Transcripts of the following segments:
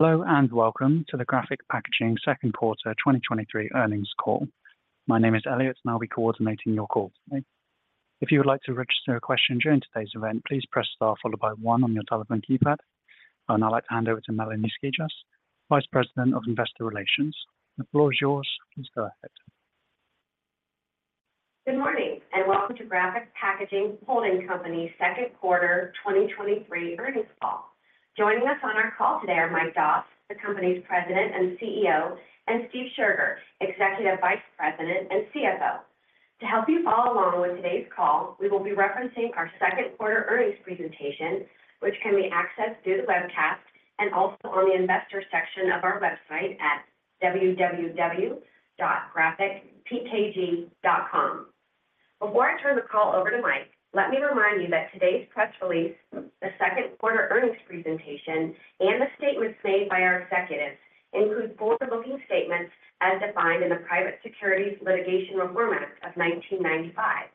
Hello, and welcome to the Graphic Packaging second quarter 2023 earnings call. My name is Elliot, and I'll be coordinating your call today. If you would like to register a question during today's event, please press star followed by one on your telephone keypad. I'd like to hand over to Melanie Skijus, Vice President of Investor Relations. The floor is yours. Please go ahead. Good morning, welcome to Graphic Packaging Holding Company's second quarter 2023 earnings call. Joining us on our call today are Mike Doss, the company's President and CEO, and Steve Scherger, Executive Vice President and CFO. To help you follow along with today's call, we will be referencing our second quarter earnings presentation, which can be accessed through the webcast and also on the investor section of our website at www.graphicpkg.com. Before I turn the call over to Mike, let me remind you that today's press release, the second quarter earnings presentation, and the statements made by our executives include forward looking statements as defined in the Private Securities Litigation Reform Act of 1995.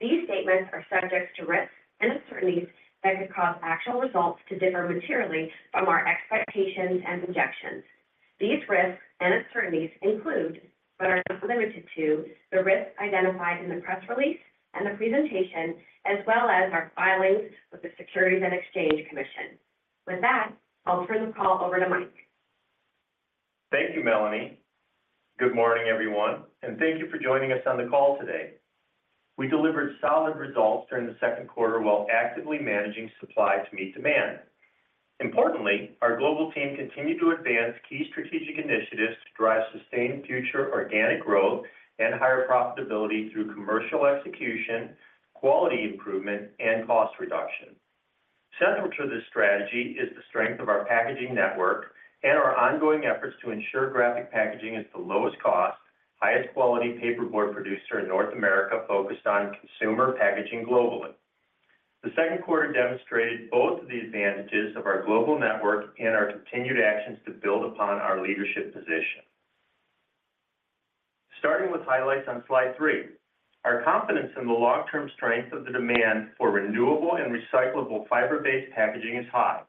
These statements are subject to risks and uncertainties that could cause actual results to differ materially from our expectations and projections. These risks and uncertainties include, but are not limited to, the risks identified in the press release and the presentation, as well as our filings with the Securities and Exchange Commission. With that, I'll turn the call over to Mike. Thank you, Melanie. Good morning, everyone. Thank you for joining us on the call today. We delivered solid results during the second quarter while actively managing supply to meet demand. Importantly, our global team continued to advance key strategic initiatives to drive sustained future organic growth and higher profitability through commercial execution, quality improvement, and cost reduction. Central to this strategy is the strength of our packaging network and our ongoing efforts to ensure Graphic Packaging is the lowest cost, highest quality paperboard producer in North America, focused on consumer packaging globally. The second quarter demonstrated both the advantages of our global network and our continued actions to build upon our leadership position. Starting with highlights on slide three, our confidence in the long-term strength of the demand for renewable and recyclable fiber-based packaging is high.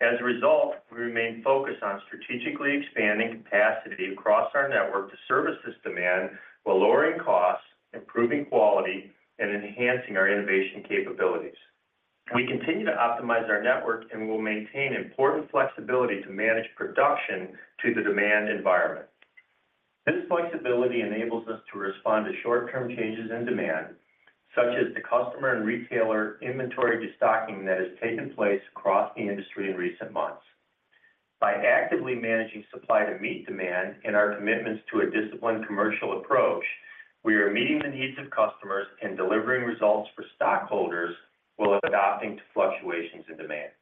As a result, we remain focused on strategically expanding capacity across our network to service this demand while lowering costs, improving quality, and enhancing our innovation capabilities. We continue to optimize our network and will maintain important flexibility to manage production to the demand environment. This flexibility enables us to respond to short term changes in demand, such as the customer and retailer inventory destocking that has taken place across the industry in recent months. By actively managing supply to meet demand and our commitments to a disciplined commercial approach, we are meeting the needs of customers and delivering results for stockholders while adapting to fluctuations in demand.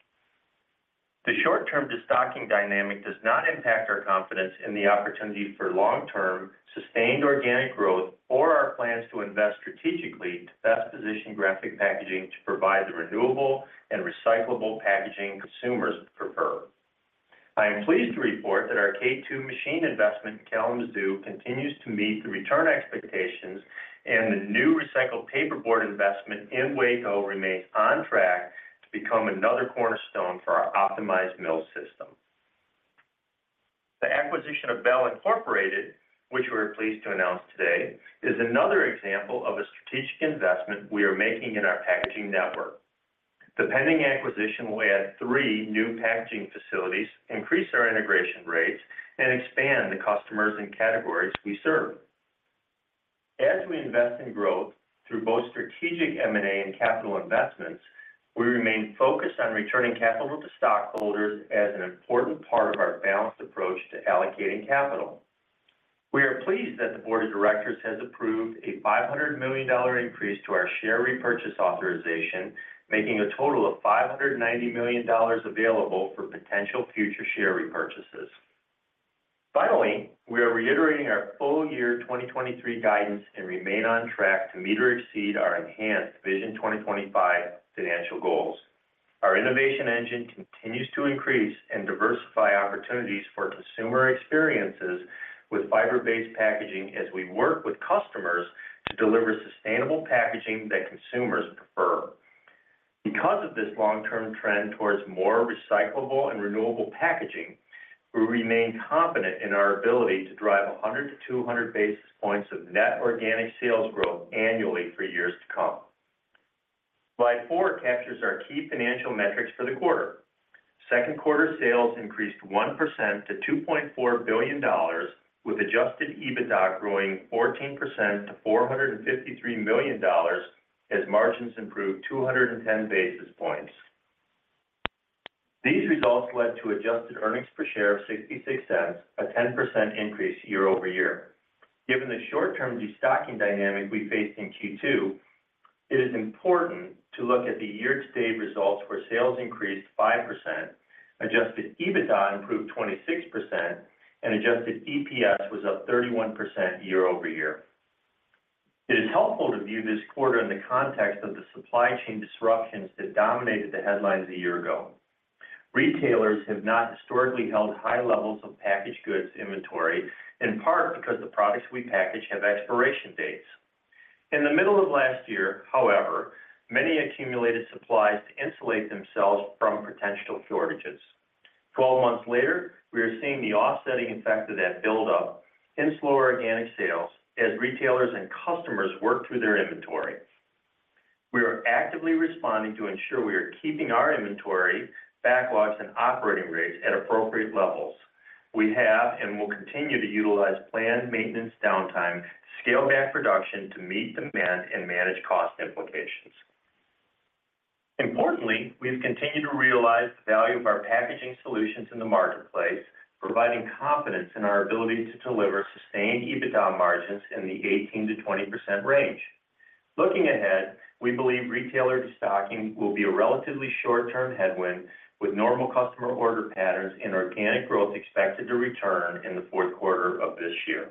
The short-term destocking dynamic does not impact our confidence in the opportunity for long-term, sustained organic growth or our plans to invest strategically to best position Graphic Packaging to provide the renewable and recyclable packaging consumers prefer. I am pleased to report that our K2 machine investment in Kalamazoo continues to meet the return expectations, and the new recycled paperboard investment in Waco remains on track to become another cornerstone for our optimized mill system. The acquisition of Bell Incorporated, which we are pleased to announce today, is another example of a strategic investment we are making in our packaging network. The pending acquisition will add three new packaging facilities, increase our integration rates, and expand the customers and categories we serve. As we invest in growth through both strategic M&A and capital investments, we remain focused on returning capital to stockholders as an important part of our balanced approach to allocating capital. We are pleased that the board of directors has approved a $500 million increase to our share repurchase authorization, making a total of $590 million available for potential future share repurchases. We are reiterating our full year 2023 guidance and remain on track to meet or exceed our enhanced Vision 2025 financial goals. Our innovation engine continues to increase and diversify opportunities for consumer experiences with fiber-based packaging as we work with customers to deliver sustainable packaging that consumers prefer. Because of this long-term trend towards more recyclable and renewable packaging, we remain confident in our ability to drive 100 to 200 basis points of net organic sales growth annually for years to come. Slide four captures our key financial metrics for the quarter. Second quarter sales increased 1% to $2.4 billion, with adjusted EBITDA growing 14% to $453 million as margins improved 210 basis points. These results led to adjusted earnings per share of $0.66, a 10% increase year-over-year. Given the short-term destocking dynamic we faced in Q2, it is important to look at the year-to-date results, where sales increased 5%, adjusted EBITDA improved 26%, and adjusted EPS was up 31% year-over-year. It is helpful to view this quarter in the context of the supply chain disruptions that dominated the headlines a year ago. Retailers have not historically held high levels of packaged goods inventory, in part because the products we package have expiration dates. In the middle of last year, however, many accumulated supplies to insulate themselves from potential shortages. 12 months later, we are seeing the offsetting effect of that buildup in slower organic sales as retailers and customers work through their inventory. We are actively responding to ensure we are keeping our inventory, backlogs, and operating rates at appropriate levels. We have and will continue to utilize planned maintenance downtime to scale back production to meet demand and manage cost implications. Importantly, we've continued to realize the value of our packaging solutions in the marketplace, providing confidence in our ability to deliver sustained EBITDA margins in the 18%-20% range. Looking ahead, we believe retailer destocking will be a relatively short term headwind, with normal customer order patterns and organic growth expected to return in the fourth quarter of this year.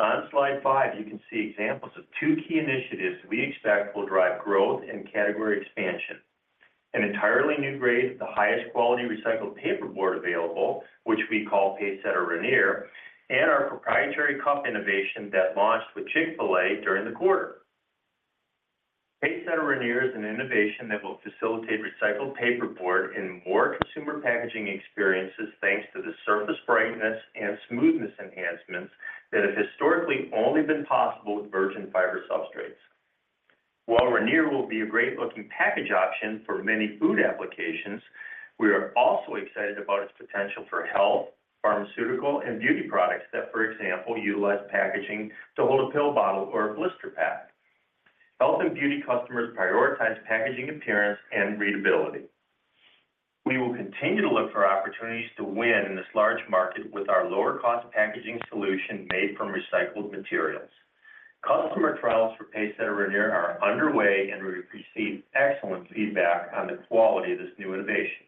On slide five, you can see examples of two key initiatives we expect will drive growth and category expansion. An entirely new grade of the highest quality recycled paperboard available, which we call PaceSetter Rainier, and our proprietary cup innovation that launched with Chick-fil-A during the quarter. PaceSetter Rainier is an innovation that will facilitate recycled paperboard in more consumer packaging experiences, thanks to the surface brightness and smoothness enhancements that have historically only been possible with virgin fiber substrates. While Rainier will be a great-looking package option for many food applications, we are also excited about its potential for health, pharmaceutical, and beauty products that, for example, utilize packaging to hold a pill bottle or a blister pack. Health and beauty customers prioritize packaging, appearance, and readability. We will continue to look for opportunities to win in this large market with our lower-cost packaging solution made from recycled materials. customer trials for PaceSetter Rainier are underway, and we've received excellent feedback on the quality of this new innovation.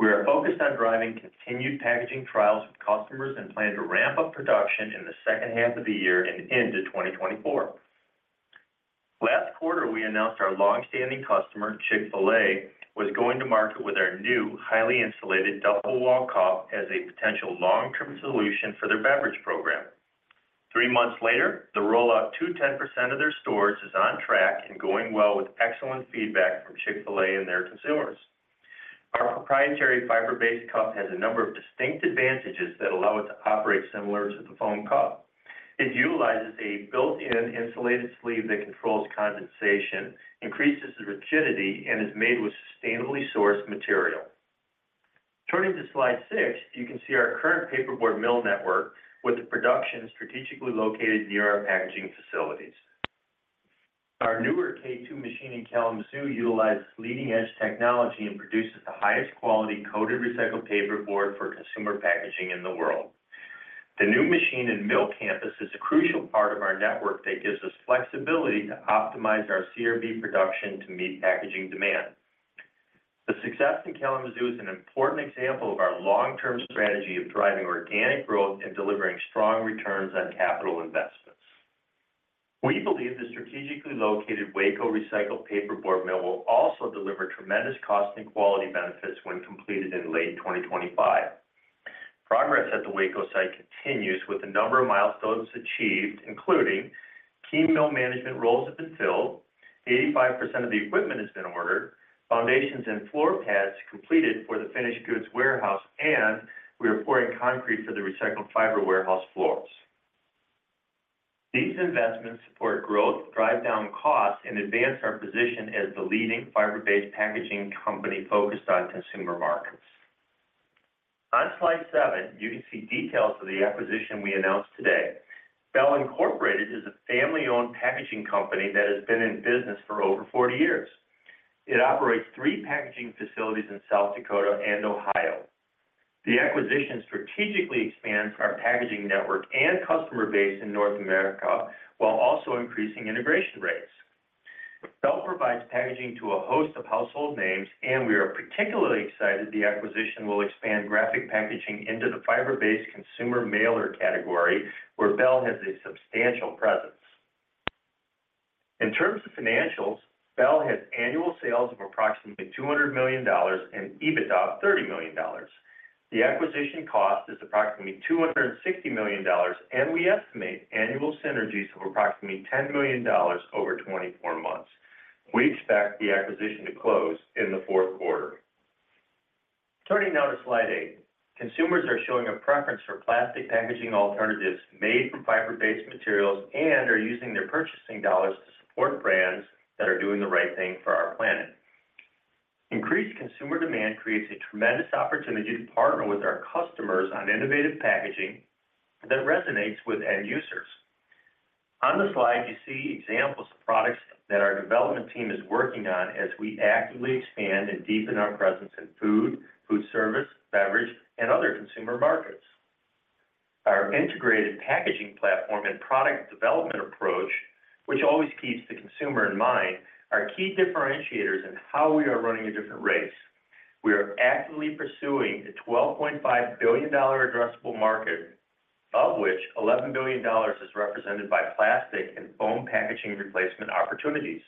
We are focused on driving continued packaging trials with customers and plan to ramp up production in the second half of the year and into 2024. Last quarter, we announced our long standing customer, Chick-fil-A, was going to market with our new highly insulated double wall cup as a potential long term solution for their beverage program. Three months later, the rollout to 10% of their stores is on track and going well, with excellent feedback from Chick-fil-A and their consumers. Our proprietary fiber-based cup has a number of distinct advantages that allow it to operate similar to the foam cup. It utilizes a built-in insulated sleeve that controls condensation, increases the rigidity, and is made with sustainably sourced material. Turning to slide six, you can see our current paperboard mill network with the production strategically located near our packaging facilities. Our newer K2 machine in Kalamazoo utilizes leading-edge technology and produces the highest quality coated recycled paperboard for consumer packaging in the world. The new machine and mill campus is a crucial part of our network that gives us flexibility to optimize our CRB production to meet packaging demand. The success in Kalamazoo is an important example of our long term strategy of driving organic growth and delivering strong returns on capital investments. We believe the strategically located Waco recycled paperboard mill will also deliver tremendous cost and quality benefits when completed in late 2025. Progress at the Waco site continues with a number of milestones achieved, including key mill management roles have been filled, 85% of the equipment has been ordered, foundations and floor pads completed for the finished goods warehouse, and we are pouring concrete for the recycled fiber warehouse floors. These investments support growth, drive down costs, and advance our position as the leading fiber based packaging company focused on consumer markets. On slide seven, you can see details of the acquisition we announced today. Bell Incorporated is a family owned packaging company that has been in business for over 40 years. It operates three packaging facilities in South Dakota and Ohio. The acquisition strategically expands our packaging network and customer base in North America, while also increasing integration rates. Bell provides packaging to a host of household names, and we are particularly excited the acquisition will expand Graphic Packaging into the fiber based consumer mailer category, where Bell has a substantial presence. In terms of financials, Bell has annual sales of approximately $200 million and EBITDA of $30 million. The acquisition cost is approximately $260 million, and we estimate annual synergies of approximately $10 million over 24 months. We expect the acquisition to close in the fourth quarter. Turning now to slide eight. Consumers are showing a preference for plastic packaging alternatives made from fiber based materials and are using their purchasing dollars to support brands that are doing the right thing for our planet. Increased consumer demand creates a tremendous opportunity to partner with our customers on innovative packaging that resonates with end users. On the slide, you see examples of products that our development team is working on as we actively expand and deepen our presence in food, food service, beverage, and other consumer markets. Our integrated packaging platform and product development approach, which always keeps the consumer in mind, are key differentiators in how we are running a different race. We are actively pursuing the $12.5 billion addressable market, of which $11 billion is represented by plastic and foam packaging replacement opportunities.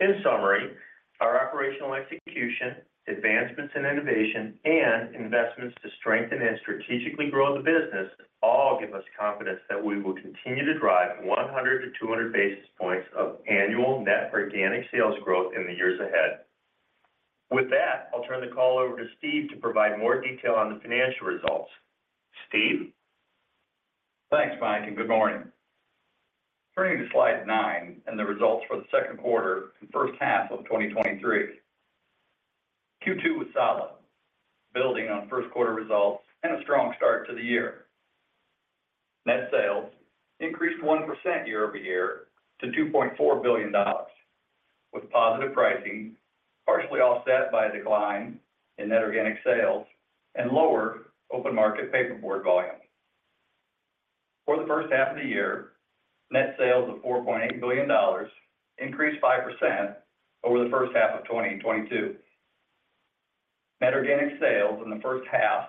In summary, our operational execution, advancements in innovation, and investments to strengthen and strategically grow the business, all give us confidence that we will continue to drive 100 to 200 basis points of annual net organic sales growth in the years ahead. With that, I'll turn the call over to Steve to provide more detail on the financial results. Steve? Thanks, Mike, good morning. Turning to slide nine and the results for the second quarter and first half of 2023. Q2 was solid, building on first quarter results and a strong start to the year. Net sales increased 1% year-over-year to $2.4 billion, with positive pricing partially offset by a decline in net organic sales and lower open market paper board volume. For the first half of the year, net sales of $4.8 billion increased 5% over the first half of 2022. Net organic sales in the first half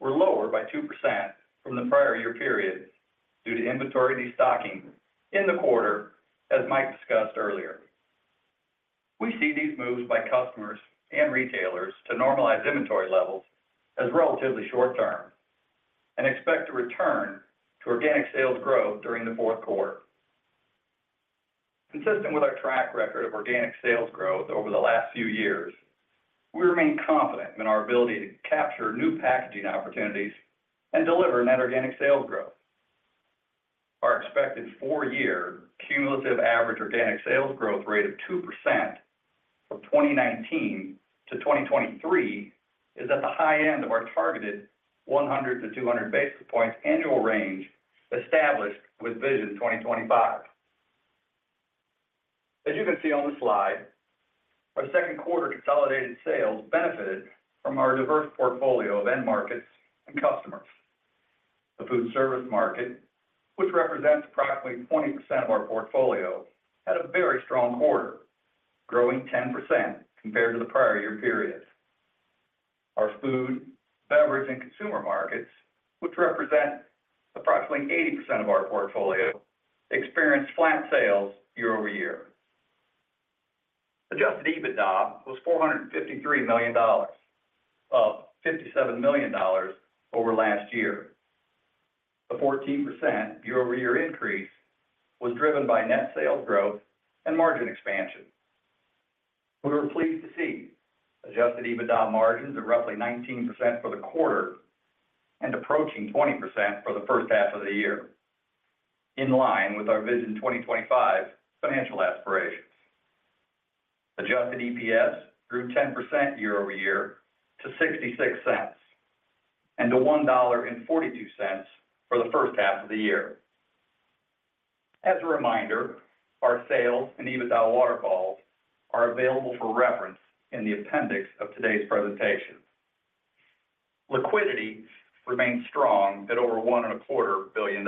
were lower by 2% from the prior year period due to inventory destocking in the quarter, as Mike discussed earlier. We see these moves by customers and retailers to normalize inventory levels as relatively short term and expect to return to organic sales growth during the fourth quarter. Consistent with our track record of organic sales growth over the last few years, we remain confident in our ability to capture new packaging opportunities and deliver net organic sales growth. Our expected four year cumulative average organic sales growth rate of 2% from 2019 to 2023 is at the high end of our targeted 100-200 basis points annual range established with Vision 2025. As you can see on the slide, our Q2 consolidated sales benefited from our diverse portfolio of end markets and customers. The food service market, which represents approximately 20% of our portfolio, had a very strong quarter, growing 10% compared to the prior-year period. Our food, beverage, and consumer markets, which represent approximately 80% of our portfolio, experienced flat sales year-over-year. Adjusted EBITDA was $453 million, up $57 million over last year. The 14% year-over-year increase was driven by net sales growth and margin expansion. We were pleased to see adjusted EBITDA margins of roughly 19% for the quarter and approaching 20% for the first half of the year, in line with our Vision 2025 financial aspirations. Adjusted EPS grew 10% year-over-year to $0.66, and to $1.42 for the first half of the year. As a reminder, our sales and EBITDA waterfalls are available for reference in the appendix of today's presentation. Liquidity remains strong at over $1.25 billion.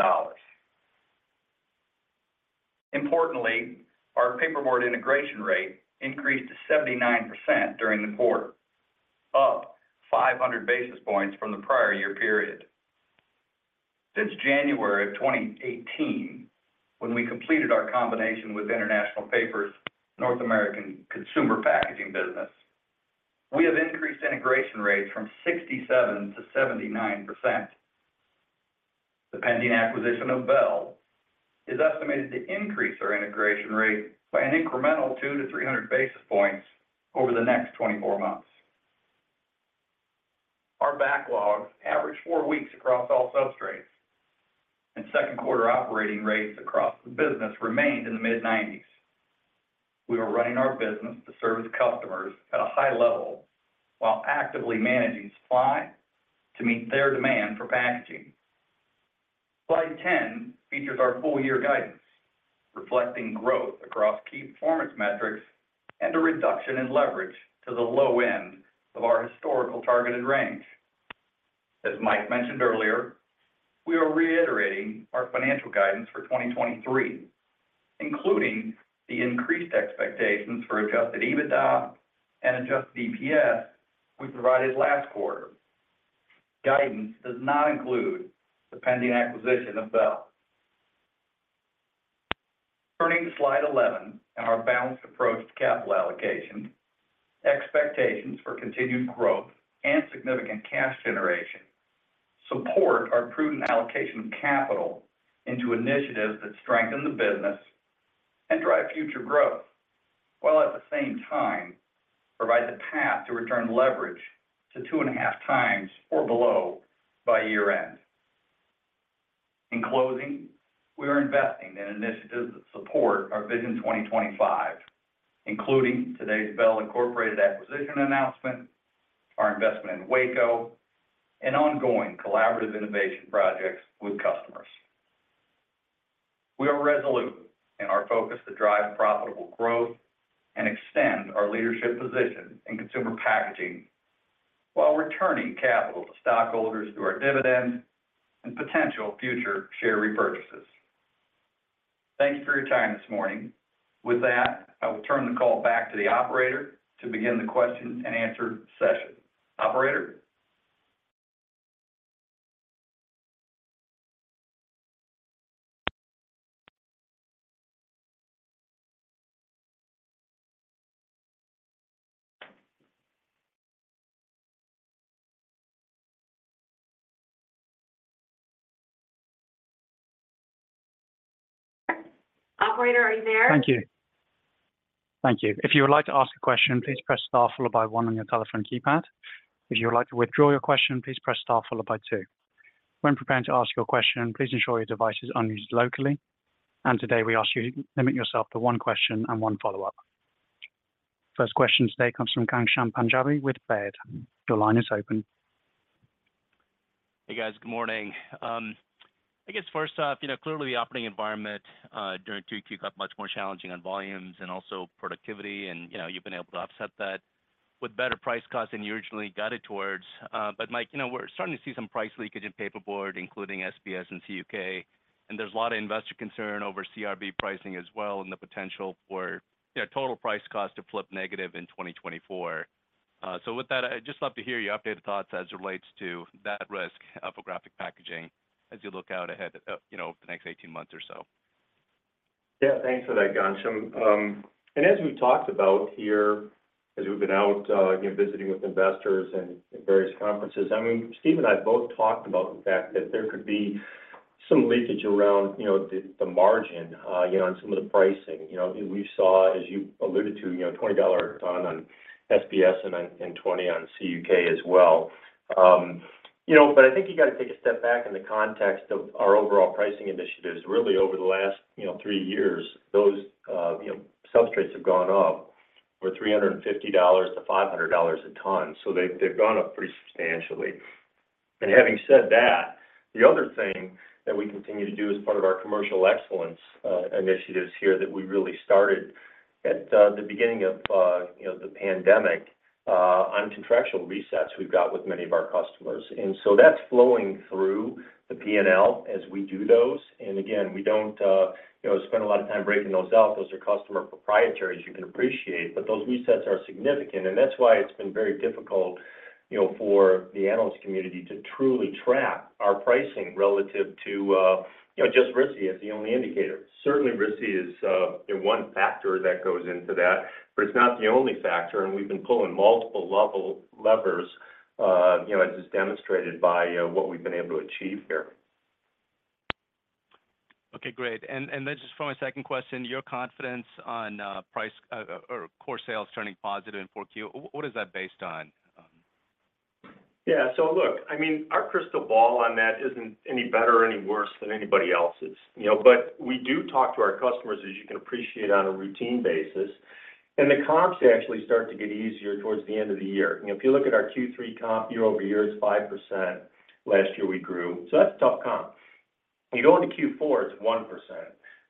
Importantly, our paper board integration rate increased to 79% during the quarter, up 500 basis points from the prior year period. Since January of 2018, when we completed our combination with International Paper's North American Consumer Packaging business, we have increased integration rates from 67%-79%. The pending acquisition of Bell is estimated to increase our integration rate by an incremental 200-300 basis points over the next 24 months. Our backlogs average four weeks across all substrates, and second quarter operating rates across the business remained in the mid-90s. We were running our business to service customers at a high level while actively managing supply to meet their demand for packaging. Slide 10 features our full year guidance, reflecting growth across key performance metrics and a reduction in leverage to the low end of our historical targeted range. As Mike mentioned earlier, we are reiterating our financial guidance for 2023, including the increased expectations for adjusted EBITDA and adjusted EPS we provided last quarter. Guidance does not include the pending acquisition of Bell. Turning to slide 11 and our balanced approach to capital allocation, expectations for continued growth and significant cash generation support our prudent allocation of capital into initiatives that strengthen the business and drive future growth, while at the same time, provide the path to return leverage to 2.5x or below by year end. In closing, we are investing in initiatives that support our Vision 2025, including today's Bell Incorporated acquisition announcement, our investment in Waco, and ongoing collaborative innovation projects with customers. We are resolute in our focus to drive profitable growth and extend our leadership position in consumer packaging, while returning capital to stockholders through our dividends and potential future share repurchases. Thank you for your time this morning. With that, I will turn the call back to the operator to begin the question-and-answer session. Operator? Operator, are you there? Thank you. Thank you. If you would like to ask a question, please press star followed by one on your telephone keypad. If you would like to withdraw your question, please press star followed by two. When preparing to ask your question, please ensure your device is unused locally, today, we ask you to limit yourself to one question and one follow-up. First question today comes from Ghansham Panjabi with Baird. Your line is open. Hey, guys. Good morning. I guess first off, you know, clearly the operating environment, during Q2 got much more challenging on volumes and also productivity, and, you know, you've been able to offset that with better price cost than you originally guided towards. Mike, you know, we're starting to see some price leakage in paperboard, including SBS and CUK, and there's a lot of investor concern over CRB pricing as well, and the potential for, yeah, total price cost to flip negative in 2024. With that, I'd just love to hear your updated thoughts as it relates to that risk, for Graphic Packaging as you look out ahead, you know, over the next 18 months or so. Yeah, thanks for that, Ghansham. As we talked about here, as we've been out, you know, visiting with investors in, in various conferences, I mean, Steve and I both talked about the fact that there could be some leakage around, you know, the, the margin, you know, on some of the pricing. You know, we saw, as you alluded to, you know, $20 a ton on SBS and on, and $20 on CUK as well. You know, I think you got to take a step back in the context of our overall pricing initiatives. Really over the last, you know, three years, those, you know, substrates have gone up for $350-$500 a ton. They've gone up pretty substantially. Having said that, the other thing that we continue to do as part of our commercial excellence, initiatives here that we really started at, the beginning of, you know, the pandemic, on contractual resets we've got with many of our customers. So that's flowing through the PNL as we do those. Again, we don't, you know, spend a lot of time breaking those out. Those are customer proprietary, as you can appreciate, but those resets are significant. That's why it's been very difficult, you know, for the analyst community to truly track our pricing relative to, you know, just RISI as the only indicator. Certainly, RISI is one factor that goes into that, but it's not the only factor, and we've been pulling multiple levers, you know, as is demonstrated by what we've been able to achieve here. Okay, great. Just for my second question, your confidence on price or core sales turning positive in Q4, what is that based on? Yeah. Look, I mean, our crystal ball on that isn't any better or any worse than anybody else's, you know? We do talk to our customers, as you can appreciate, on a routine basis, and the comps actually start to get easier towards the end of the year. You know, if you look at our Q3 comp, year-over-year, it's 5%. Last year we grew. That's a tough comp. You go into Q4, it's 1%.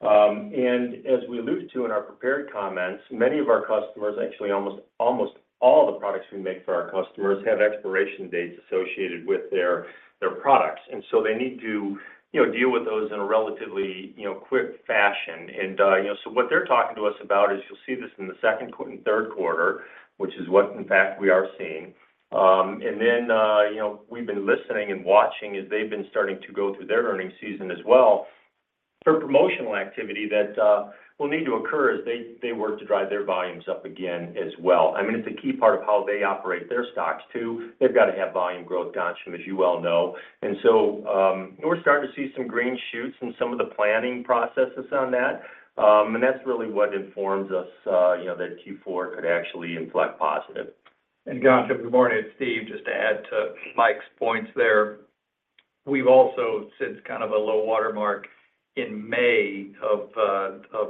As we alluded to in our prepared comments, many of our customers, actually almost, almost all the products we make for our customers, have expiration dates associated with their, their products. They need to, you know, deal with those in a relatively, you know, quick fashion. you know, so what they're talking to us about is, you'll see this in the second quarter and third quarter, which is what in fact we are seeing. you know, we've been listening and watching as they've been starting to go through their earnings season as well for promotional activity that will need to occur as they, they work to drive their volumes up again as well. I mean, it's a key part of how they operate their stocks, too. They've got to have volume growth, Ghansham, as you well know. we're starting to see some green shoots in some of the planning processes on that. that's really what informs us, you know, that Q4 could actually inflect positive. Ghansham, good morning, it's Steve. Just to add to Mike's points there, we've also, since kind of a low water mark in May of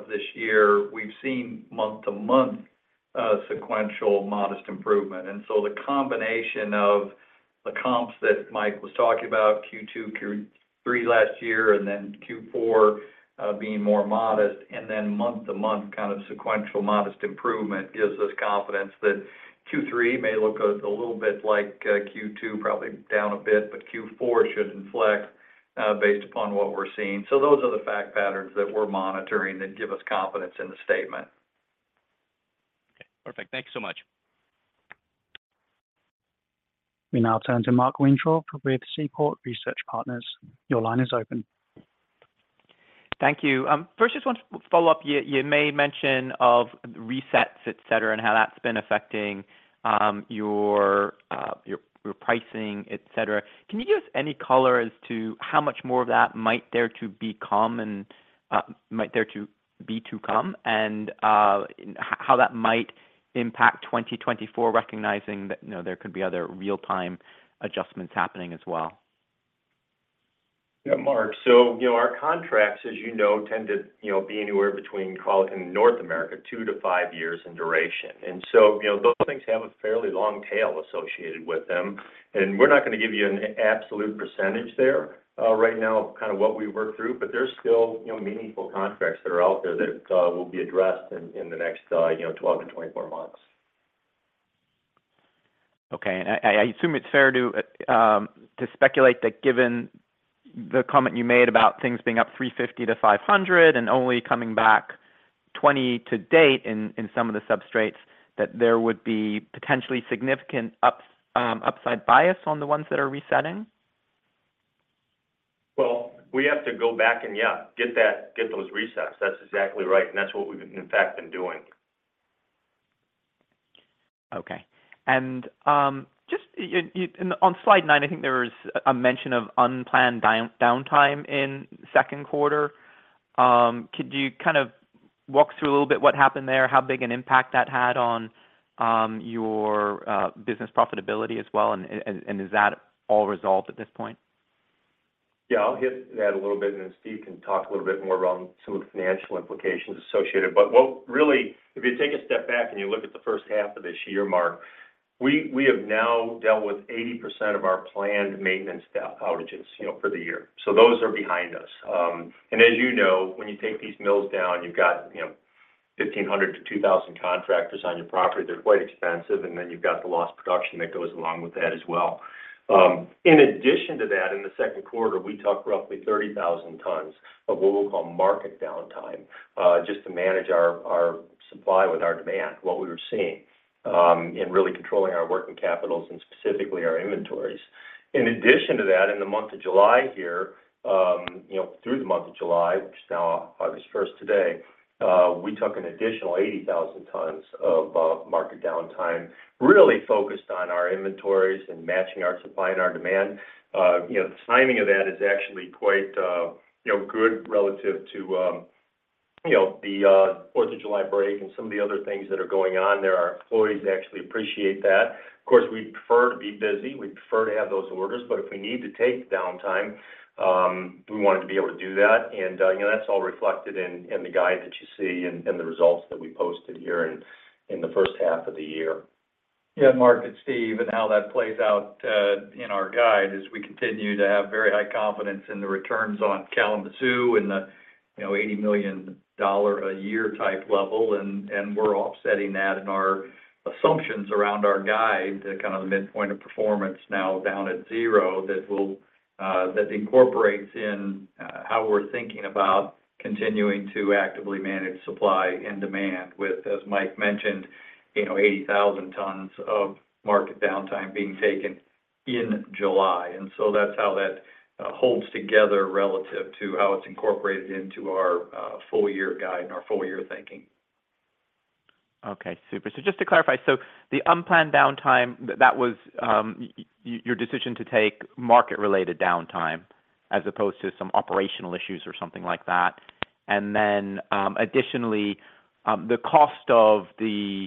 this year, we've seen month-to-month sequential modest improvement. The combination of the comps that Mike was talking about, Q2, Q3 last year, and then Q4 being more modest, and then month-to-month, kind of sequential modest improvement, gives us confidence that Q3 may look a little bit like Q2, probably down a bit, but Q4 should inflect based upon what we're seeing. Those are the fact patterns that we're monitoring that give us confidence in the statement. Okay, perfect. Thank you so much. We now turn to Mark Weintraub with Seaport Research Partners. Your line is open. Thank you. First, just want to follow up. You, you made mention of resets, et cetera, and how that's been affecting, your, your, your pricing, et cetera. Can you give us any color as to how much more of that might there to be come and, might there to be to come, and, how that might impact 2024, recognizing that, you know, there could be other real-time adjustments happening as well? Yeah, Mark. You know, our contracts, as you know, tend to, you know, be anywhere between, call it in North America, two to five years in duration. You know, those things have a fairly long tail associated with them, and we're not going to give you an absolute % there, right now, kind of what we work through, but there's still, you know, meaningful contracts that are out there that will be addressed in, in the next, you know, 12-24 months. Okay. I, I, I assume it's fair to, to speculate that given the comment you made about things being up $350-$500 and only coming back $20 to date in, in some of the substrates, that there would be potentially significant up, upside bias on the ones that are resetting? Well, we have to go back and, yeah, get those resets. That's exactly right, that's what we've in fact been doing. Okay. Just on slide nine, I think there was a mention of unplanned down, downtime in second quarter. Could you kind of walk through a little bit what happened there? How big an impact that had on your business profitability as well, and is that all resolved at this point? Yeah, I'll hit that a little bit, and then Steve can talk a little bit more around some of the financial implications associated. What really, if you take a step back and you look at the first half of this year, Mark, we, we have now dealt with 80% of our planned maintenance staff outages, you know, for the year. Those are behind us. As you know, when you take these mills down, you've got, you know, 1,500-2,000 contractors on your property. They're quite expensive, and then you've got the lost production that goes along with that as well. In addition to that, in the second quarter, we took roughly 30,000 tons of what we'll call market downtime, just to manage our, our supply with our demand, what we were seeing, in really controlling our working capitals and specifically our inventories. In addition to that, in the month of July here, you know, through the month of July, which is now August 1st today, we took an additional 80,000 tons of market downtime, really focused on our inventories and matching our supply and our demand. You know, the timing of that is actually quite, you know, good relative to, you know, the July 4th break and some of the other things that are going on there. Our employees actually appreciate that. Of course, we'd prefer to be busy, we'd prefer to have those orders, but if we need to take the downtime, we wanted to be able to do that. You know, that's all reflected in, in the guide that you see and, and the results that we posted here in, in the first half of the year. Yeah, Mark, it's Steve, and how that plays out, in our guide is we continue to have very high confidence in the returns on Kalamazoo and the, you know, $80 million a year type level. And we're offsetting that in our assumptions around our guide to kind of the midpoint of performance now down at zero. That will, that incorporates in, how we're thinking about continuing to actively manage supply and demand with, as Mike mentioned, you know, 80,000 tons of market downtime being taken in July. That's how that holds together relative to how it's incorporated into our full year guide and our full year thinking. Okay, super. Just to clarify, so the unplanned downtime, that was your decision to take market-related downtime as opposed to some operational issues or something like that. Then, additionally, the cost of the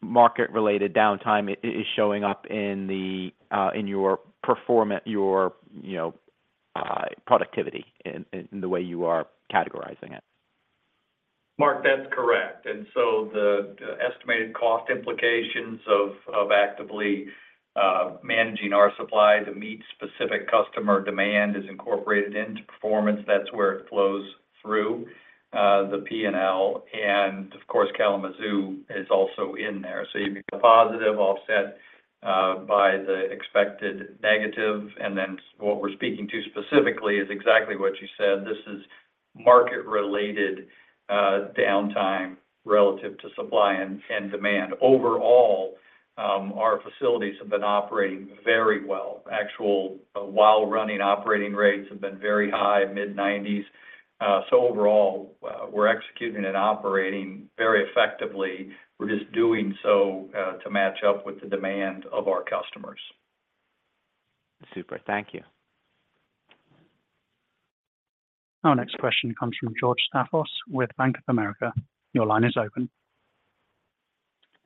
market-related downtime is showing up in your, you know, productivity, in, in the way you are categorizing it? Mark, that's correct. The estimated cost implications of actively managing our supply to meet specific customer demand is incorporated into performance. That's where it flows through the PNL, and of course, Kalamazoo is also in there. You've a positive offset by the expected negative, and then what we're speaking to specifically is exactly what you said, this is market-related downtime relative to supply and demand. Overall, our facilities have been operating very well. Actual, while running operating rates have been very high, mid nineties. Overall, we're executing and operating very effectively. We're just doing so to match up with the demand of our customers. Super. Thank you. Our next question comes from George Staphos with Bank of America. Your line is open.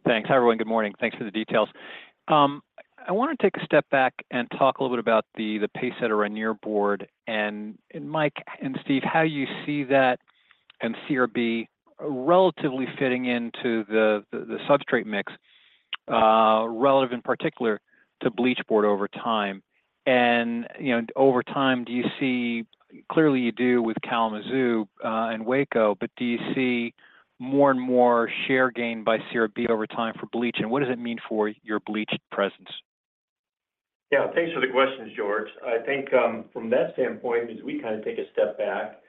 Thanks. Hi, everyone. Good morning. Thanks for the details. I want to take a step back and talk a little bit about the, the PaceSetter and near board, and, and Mike and Steve, how you see that, and CRB relatively fitting into the, the, the substrate mix, relevant in particular to bleach board over time. You know, over time, do you see, clearly you do with Kalamazoo, and Waco, but do you see more and more share gain by CRB over time for bleach? What does it mean for your bleach presence? Yeah, thanks for the questions, George. I think, from that standpoint, as we kind of take a step back,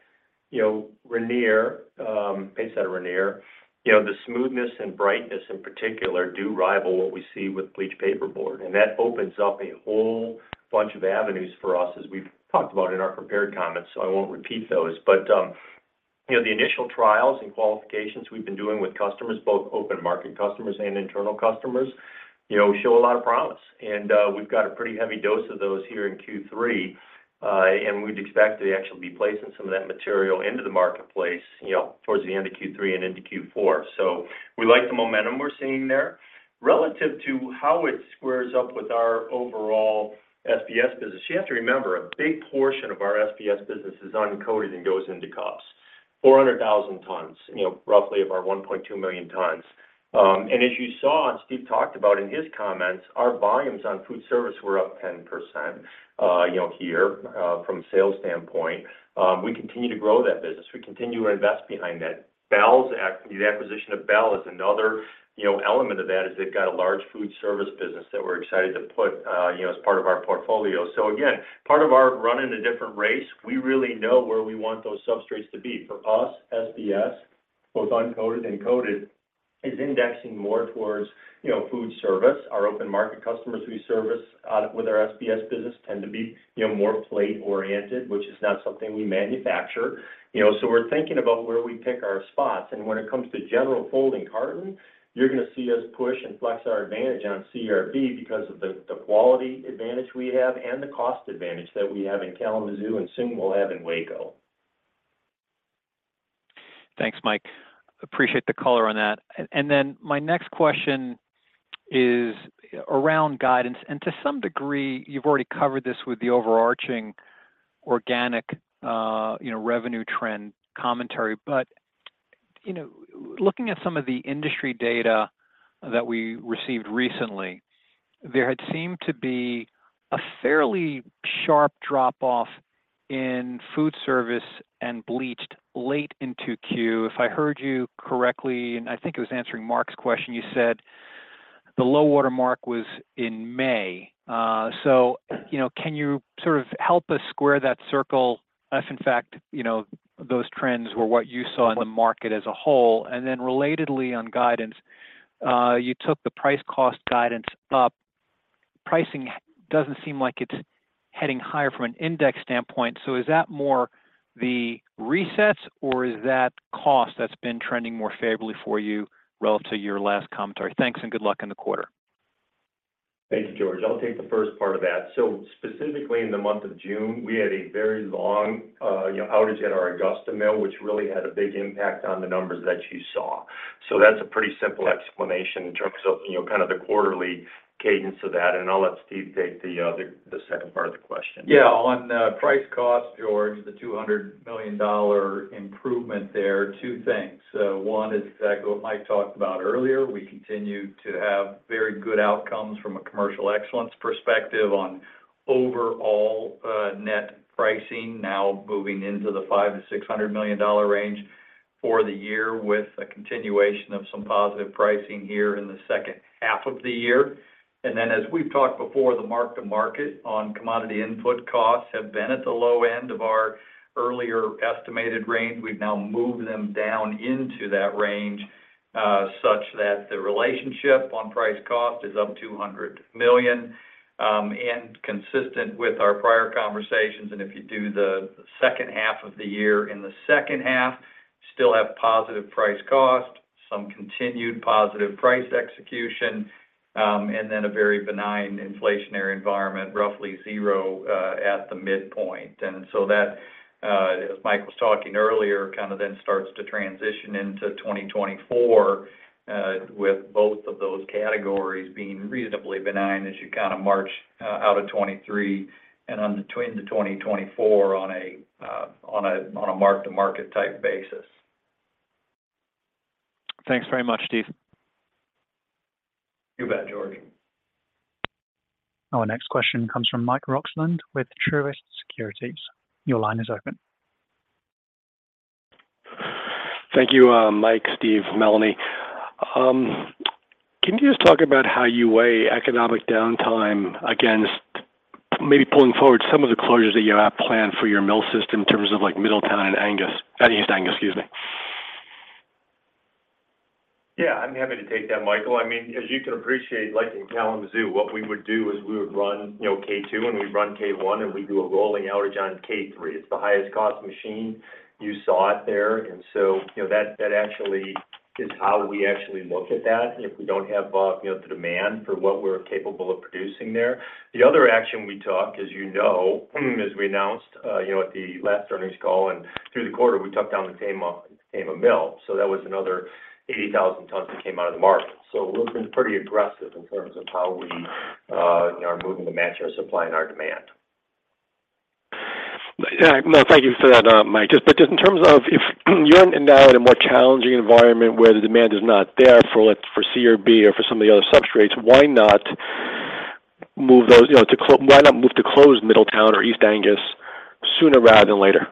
you know, Rainier, PaceSetter Rainier, you know, the smoothness and brightness in particular, do rival what we see with bleached paperboard. That opens up a whole bunch of avenues for us, as we've talked about in our prepared comments, so I won't repeat those. You know, the initial trials and qualifications we've been doing with customers, both open market customers and internal customers, you know, show a lot of promise. We've got a pretty heavy dose of those here in Q3, and we'd expect to actually be placing some of that material into the marketplace, you know, towards the end of Q3 and into Q4. We like the momentum we're seeing there. Relative to how it squares up with our overall SBS business, you have to remember, a big portion of our SBS business is uncoated and goes into costs, 400,000 tons, roughly of our 1.2 million tons. As you saw, and Steve Scherger talked about in his comments, our volumes on food service were up 10% here from a sales standpoint. We continue to grow that business. We continue to invest behind that. Bell's acquisition of Bell is another element of that, is they've got a large food service business that we're excited to put as part of our portfolio. Again, part of our running a different race, we really know where we want those substrates to be. For us, SBS, both uncoated and coated is indexing more towards, you know, food service. Our open market customers we service with our SBS business tend to be, you know, more plate-oriented, which is not something we manufacture, you know. We're thinking about where we pick our spots, and when it comes to general folding carton, you're gonna see us push and flex our advantage on CRB because of the, the quality advantage we have and the cost advantage that we have in Kalamazoo, and soon we'll have in Waco. Thanks, Mike. Appreciate the color on that. Then my next question is around guidance, and to some degree, you've already covered this with the overarching organic, you know, revenue trend commentary. You know, looking at some of the industry data that we received recently, there had seemed to be a fairly sharp drop off in food service and bleached late into Q2. If I heard you correctly, and I think it was answering Mark's question, you said the low water mark was in May. You know, can you sort of help us square that circle if, in fact, you know, those trends were what you saw in the market as a whole? Relatedly on guidance, you took the price-cost guidance up. Pricing doesn't seem like it's heading higher from an index standpoint. Is that more the resets, or is that cost that's been trending more favorably for you relative to your last commentary? Thanks, and good luck in the quarter. Thanks, George. I'll take the first part of that. Specifically in the month of June, we had a very long, you know, outage at our Augusta mill, which really had a big impact on the numbers that you saw. That's a pretty simple explanation in terms of, you know, kind of the quarterly cadence of that, and I'll let Steve take the, the, the second part of the question. Yeah. On price cost, George, the $200 million improvement there, two things. One is, exactly what Mike talked about earlier. We continue to have very good outcomes from a commercial excellence perspective on overall net pricing, now moving into the $500 million-$600 million range for the year, with a continuation of some positive pricing here in the second half of the year. Then, as we've talked before, the mark-to-market on commodity input costs have been at the low end of our earlier estimated range. We've now moved them down into that range, such that the relationship on price cost is up $200 million. Consistent with our prior conversations, and if you do the second half of the year, in the second half, still have positive price cost, some continued positive price execution, and then a very benign inflationary environment, roughly zero, at the midpoint. That, as Mike was talking earlier, kind of then starts to transition into 2024, with both of those categories being reasonably benign as you kind of march out of 2023 and between the 2024 on a, on a, on a mark-to-market type basis. Thanks very much, Steve. You bet, George. Our next question comes from Mike Roxland with Truist Securities. Your line is open. Thank you, Mike, Steve, Melanie. Can you just talk about how you weigh economic downtime against maybe pulling forward some of the closures that you have planned for your mill system in terms of, like, Middletown and Angus? East Angus, excuse me. Yeah, I'm happy to take that, Michael. I mean, as you can appreciate, like in Kalamazoo, what we would do is we would run, you know, K2, and we'd run K1, and we'd do a rolling outage on K3. It's the highest cost machine. You saw it there. You know, that, that actually is how we actually look at that if we don't have, you know, the demand for what we're capable of producing there. The other action we took, as you know, as we announced, you know, at the last earnings call and through the quarter, we took down the Tama, Tama mill. That was another 80,000 tons that came out of the market. We've been pretty aggressive in terms of how we, you know, are moving to match our supply and our demand. Yeah. No, thank you for that, Mike. Just but just in terms of if you're now in a more challenging environment where the demand is not there for, like, for CRB or for some of the other substrates, why not move those, you know, to Why not move to close Middletown or East Angus sooner rather than later?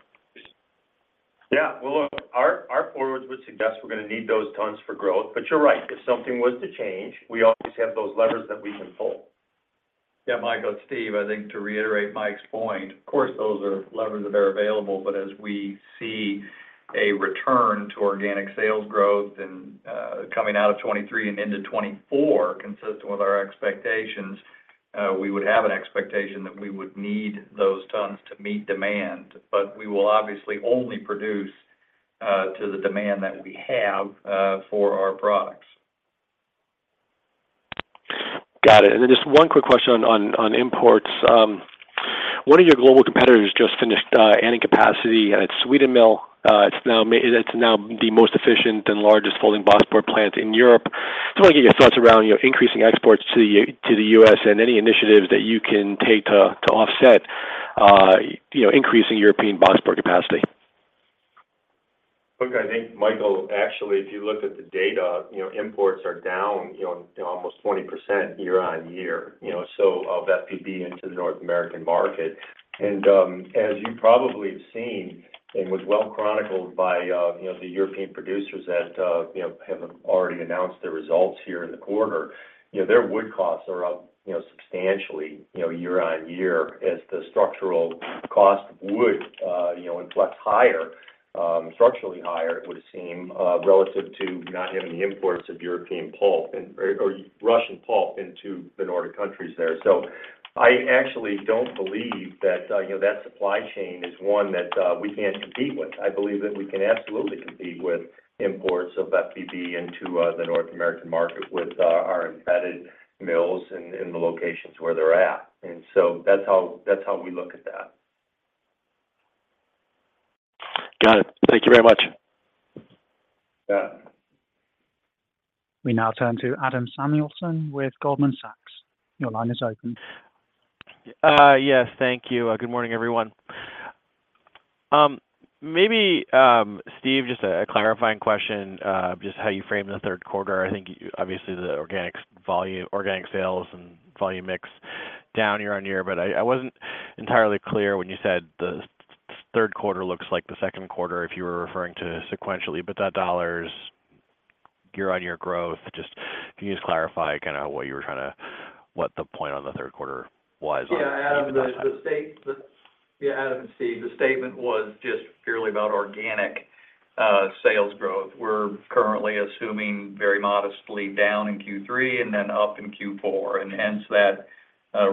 Yeah. Well, look, our, our forwards would suggest we're gonna need those tons for growth, but you're right. If something was to change, we obviously have those levers that we can pull. Yeah, Michael, it's Steve. I think to reiterate Mike's point, of course, those are levers that are available, but as we see a return to organic sales growth and coming out of 2023 and into 2024, consistent with our expectations, we would have an expectation that we would need those tons to meet demand. We will obviously only produce to the demand that we have for our products. Got it. Then just one quick question on imports. One of your global competitors just finished adding capacity at Sweden mill. It's now the most efficient and largest folding boxboard plant in Europe. I want to get your thoughts around, you know, increasing exports to the U.S. and any initiatives that you can take to offset, you know, increasing European boxboard capacity. Look, I think, Michael, actually, if you look at the data, you know, imports are down, you know, almost 20% year-on-year, you know, so of FBB into the North American market. As you probably have seen, and was well chronicled by, you know, the European producers that, you know, have already announced their results here in the quarter, you know, their wood costs are up, you know, substantially, you know, year-on-year as the structural cost of wood, you know, reflects higher, structurally higher, it would seem, relative to not having the imports of European pulp and or, or Russian pulp into the Nordic countries there. I actually don't believe that, you know, that supply chain is one that we can't compete with. I believe that we can absolutely compete with imports of FBB into the North American market with our, our embedded mills and, and the locations where they're at. So that's how, that's how we look at that. Got it. Thank thank you very much. Yeah. We now turn to Adam Samuelson with Goldman Sachs. Your line is open. Yes, thank you. Good morning, everyone. Maybe, Steve, just a clarifying question, just how you framed the third quarter. I think obviously, the organic volume organic sales and volume mix down year-on-year, but I wasn't entirely clear when you said the third quarter looks like the second quarter, if you were referring to sequentially, but that dollars year-on-year growth. Just can you just clarify kind of what you were trying to what the point on the third quarter was on? Yeah, Adam and Steve, the statement was just purely about organic sales growth. We're currently assuming very modestly down in Q3 and then up in Q4. Hence, that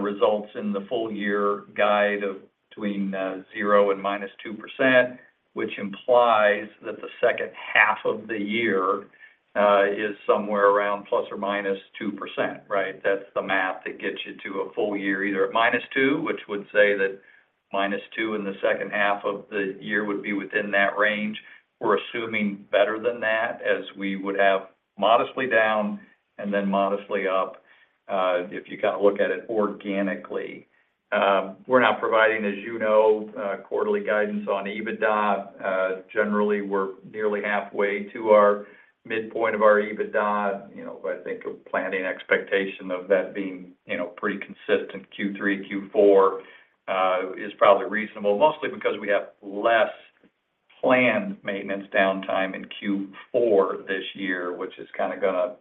results in the full year guide of between 0% and -2%, which implies that the second half of the year is somewhere around ±2%, right? That's the math that gets you to a full year, either at -2, which would say that -2 in the second half of the year would be within that range. We're assuming better than that, as we would have modestly down and then modestly up, if you kind of look at it organically. We're not providing, as you know, quarterly guidance on EBITDA. Generally, we're nearly halfway to our midpoint of our EBITDA. You know, I think a planning expectation of that being, you know, pretty consistent in Q3, Q4, is probably reasonable, mostly because we have less planned maintenance downtime in Q4 this year, which is kinda gonna,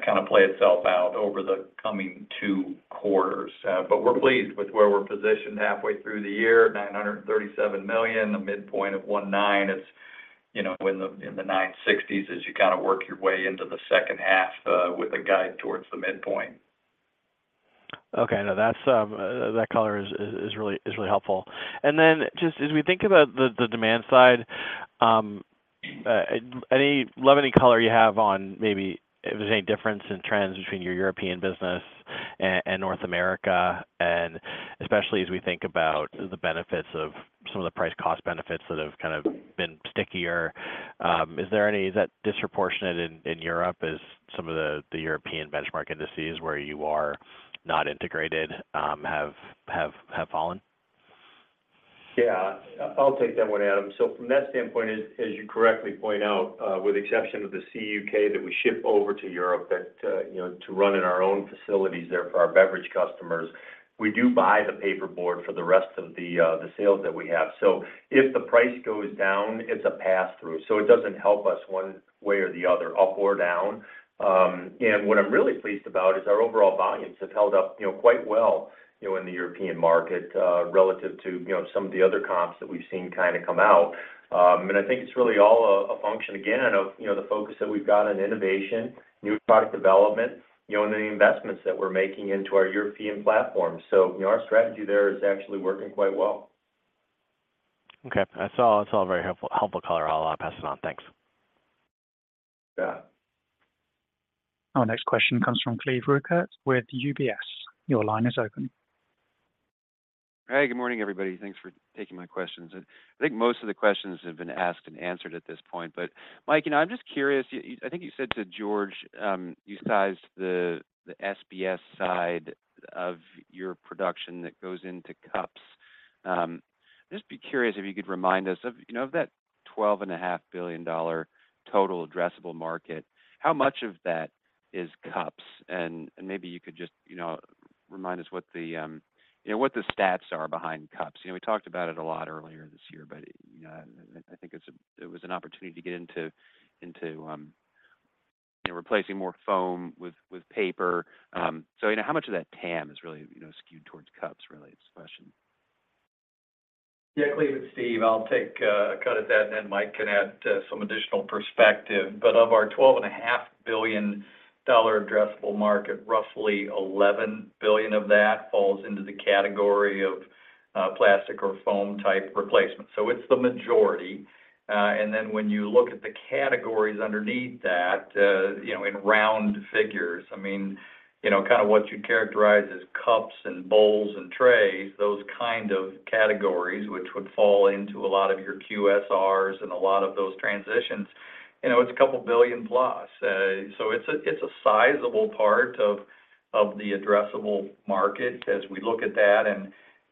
kind of play itself out over the coming two quarters. We're pleased with where we're positioned halfway through the year, $937 million, the midpoint of $1.9 is, you know, in the, in the $960s, as you kind of work your way into the second half, with a guide towards the midpoint. Okay. No, that's, that color is, is, is really, is really helpful. Just as we think about the, the demand side, love any color you have on, maybe if there's any difference in trends between your European business and North America, and especially as we think about the benefits of some of the price cost benefits that have kind of been stickier, is that disproportionate in, in Europe as some of the, the European benchmark indices where you are not integrated, have, have, have fallen? Yeah. I'll take that one, Adam. From that standpoint, as, as you correctly point out, with the exception of the CUK that we ship over to Europe, that, you know, to run in our own facilities there for our beverage customers, we do buy the paper board for the rest of the sales that we have. If the price goes down, it's a pass through, so it doesn't help us one way or the other, up or down. What I'm really pleased about is our overall volumes have held up, you know, quite well, you know, in the European market, relative to, you know, some of the other comps that we've seen kind of come out. I think it's really all a function, again, of, you know, the focus that we've got on innovation, new product development, you know, and the investments that we're making into our European platform. You know, our strategy there is actually working quite well. Okay. That's all, that's all very helpful, helpful color. I'll pass it on. Thanks. Yeah. Our next question comes from Cleve Rueckert with UBS. Your line is open. Hey, good morning, everybody. Thanks for taking my questions. I think most of the questions have been asked and answered at this point. Mike, you know, I'm just curious, I think you said to George, you sized the SBS side of your production that goes into cups. Just be curious if you could remind us of, you know, of that $12.5 billion total addressable market, how much of that is cups? Maybe you could just, you know, remind us what the, you know, what the stats are behind cups. You know, we talked about it a lot earlier this year, but, you know, I think it was an opportunity to get into, into, you know, replacing more foam with, with paper. You know, how much of that TAM is really, you know, skewed towards cups, really, is the question? Yeah, Cleve, it's Steve. I'll take a cut at that, then Mike can add some additional perspective. Of our $12.5 billion addressable market, roughly $11 billion of that falls into the category of plastic or foam type replacement. It's the majority. Then when you look at the categories underneath that, you know, in round figures, I mean, you know, kind of what you'd characterize as cups and bowls and trays, those kind of categories, which would fall into a lot of your QSRs and a lot of those transitions. You know, it's a $2 billion plus. It's a, it's a sizable part of, of the addressable market as we look at that.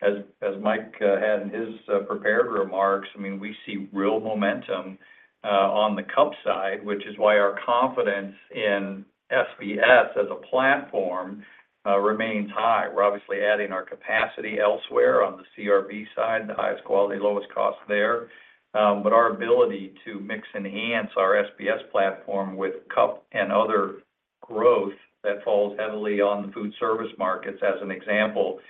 As, as Mike Doss, had in his, prepared remarks, I mean, we see real momentum, on the cup side, which is why our confidence in SBS as a platform, remains high. We're obviously adding our capacity elsewhere on the CRB side, the highest quality, lowest cost there. Our ability to mix and enhance our SBS platform with cup and other growth that falls heavily on the food service markets, as an example,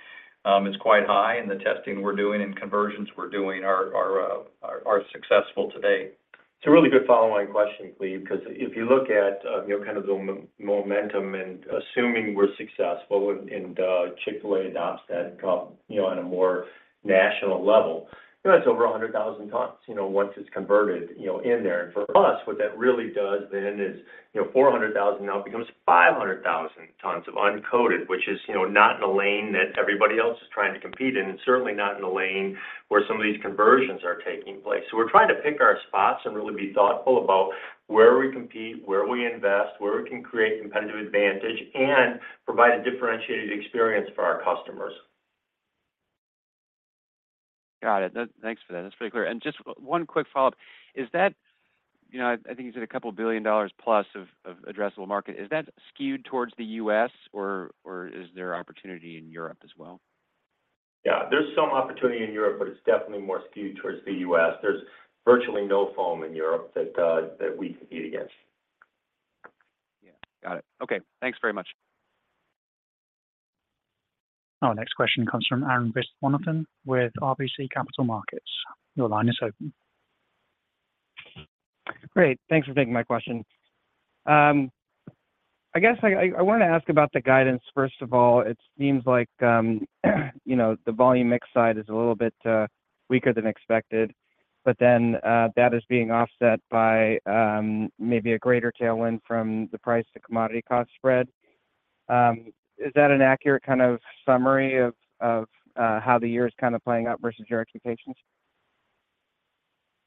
is quite high, and the testing we're doing and conversions we're doing are, are, are, are successful today. It's a really good follow on question, Cleve, 'cause if you look at, you know, kind of the momentum and assuming we're successful and, and Chick-fil-A adopts that cup, you know, on a more national level, you know, that's over 100,000 tons, you know, once it's converted, you know, in there. For us, what that really does then is, you know, 400,000 now becomes 500,000 tons of uncoated, which is, you know, not in a lane that everybody else is trying to compete in, and certainly not in a lane where some of these conversions are taking place. We're trying to pick our spots and really be thoughtful about where we compete, where we invest, where we can create competitive advantage, and provide a differentiated experience for our customers. Got it. Thanks for that. That's pretty clear. Just one quick follow-up: you know, I think you said $2 billion plus of addressable market. Is that skewed towards the U.S. or is there opportunity in Europe as well? Yeah, there's some opportunity in Europe, but it's definitely more skewed towards the U.S. There's virtually no foam in Europe that we compete against. Yeah. Got it. Okay. Thanks very much. Our next question comes from Arun Viswanathan with RBC Capital Markets. Your line is open. Great. Thanks for taking my question. I guess I wanted to ask about the guidance first of all. It seems like, you know, the volume mix side is a little bit weaker than expected, but then that is being offset by maybe a greater tailwind from the price to commodity cost spread. Is that an accurate kind of summary of, of, how the year is kind of playing out versus your expectations?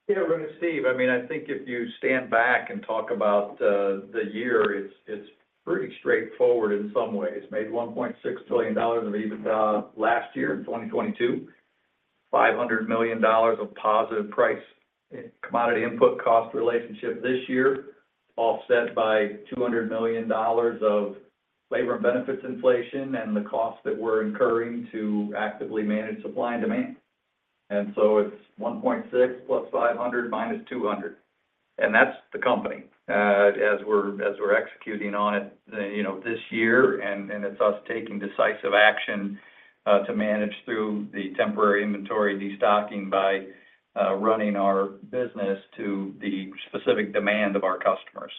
Yeah, Arun, Steve, I mean, I think if you stand back and talk about the year, it's, it's pretty straightforward in some ways. Made $1.6 billion of EBITDA last year in 2022, $500 million of positive price, commodity input cost relationship this year, offset by $200 million of labor and benefits inflation and the cost that we're incurring to actively manage supply and demand. So it's $1.6 plus $500 minus $200, and that's the company as we're, as we're executing on it, you know, this year. It's us taking decisive action to manage through the temporary inventory destocking by running our business to the specific demand of our customers.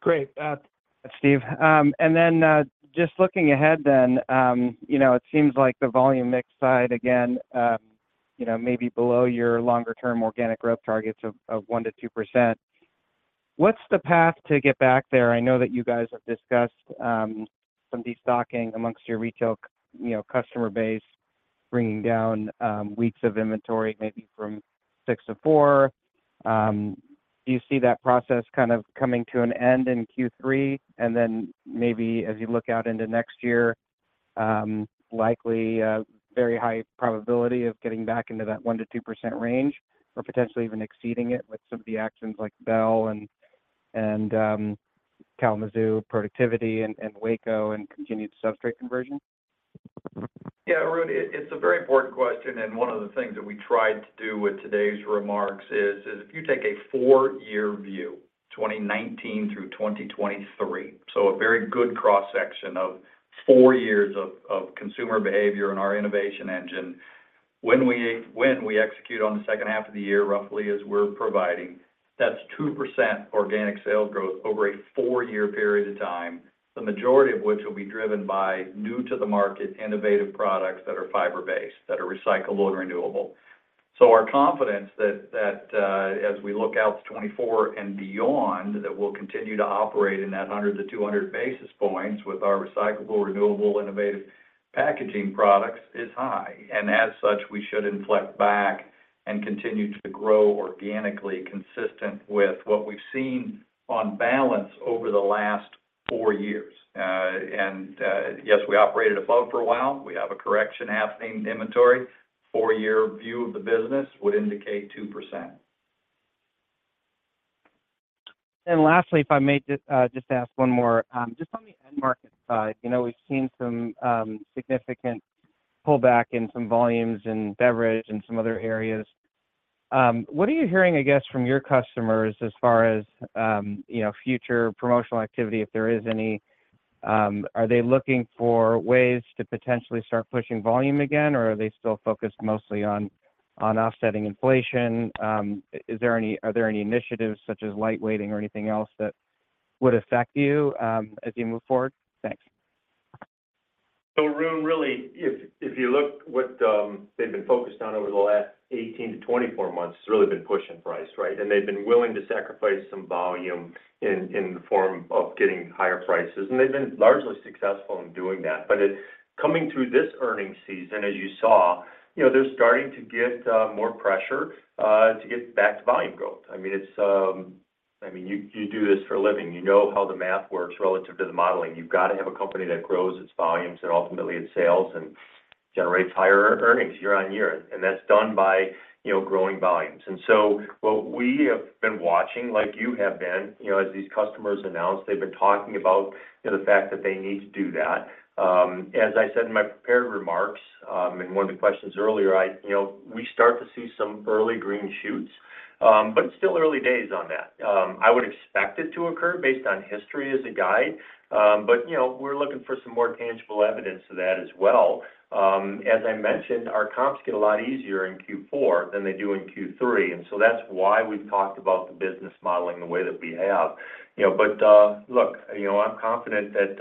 Great, Steve. Just looking ahead then, you know, it seems like the volume mix side again, you know, may be below your longer term organic growth targets of 1%-2%. What's the path to get back there? I know that you guys have discussed, some destocking amongst your retail, you know, customer base, bringing down, weeks of inventory, maybe from six to four. Do you see that process kind of coming to an end in Q3, and then maybe as you look out into next year, likely a very high probability of getting back into that 1%-2% range or potentially even exceeding it with some of the actions like Bell and, and, Kalamazoo productivity and, and Waco and continued substrate conversion? Yeah, Arun, it, it's a very important question, and one of the things that we tried to do with today's remarks is, is if you take a four year view, 2019 through 2023, so a very good cross section of four years of, of consumer behavior and our innovation engine, when we when we execute on the second half of the year, roughly as we're providing, that's 2% organic sales growth over a four year period of time, the majority of which will be driven by new to the market, innovative products that are fiber based, that are recyclable and renewable. Our confidence that, that, as we look out to 2024 and beyond, that we'll continue to operate in that 100-200 basis points with our recyclable, renewable, innovative packaging products is high. As such, we should inflect back and continue to grow organically consistent with what we've seen on balance over the last four years. Yes, we operated above for a while. We have a correction happening in inventory. four year view of the business would indicate 2%. Lastly, if I may just ask one more. Just on the end market side, you know, we've seen some significant pullback in some volumes in beverage and some other areas. What are you hearing, I guess, from your customers as far as, you know, future promotional activity, if there is any? Are they looking for ways to potentially start pushing volume again, or are they still focused mostly on, on offsetting inflation? Are there any initiatives such as lightweighting or anything else that would affect you as you move forward? Thanks. Arun, really, if, if you look what, they've been focused on over the last 18 to 24 months, it's really been pushing price, right? They've been willing to sacrifice some volume in, in the form of getting higher prices, and they've been largely successful in doing that. Coming through this earnings season, as you saw, you know, they're starting to get more pressure to get back to volume growth. I mean, it's. I mean, you, you do this for a living. You know how the math works relative to the modeling. You've got to have a company that grows its volumes and ultimately its sales, and generates higher earnings year-on-year, and that's done by, you know, growing volumes. So what we have been watching, like you have been, you know, as these customers announce, they've been talking about, you know, the fact that they need to do that. As I said in my prepared remarks, and one of the questions earlier, you know, we start to see some early green shoots, but it's still early days on that. I would expect it to occur based on history as a guide, but, you know, we're looking for some more tangible evidence to that as well. As I mentioned, our comps get a lot easier in Q4 than they do in Q3, so that's why we've talked about the business modeling the way that we have. You know, look, you know, I'm confident that,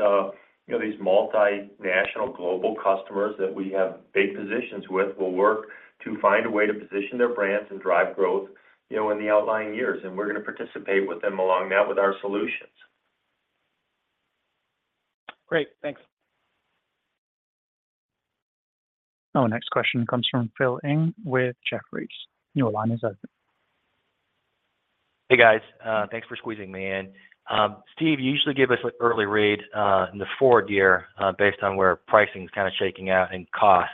you know, these multinational global customers that we have big positions with will work to find a way to position their brands and drive growth, you know, in the outlying years. We're gonna participate with them along that with our solutions. Great. Thanks. Our next question comes from Philip Ng with Jefferies. Your line is open. Hey, guys. Thanks for squeezing me in. Steve, you usually give us an early read in the forward year, based on where pricing is kind of shaking out and cost.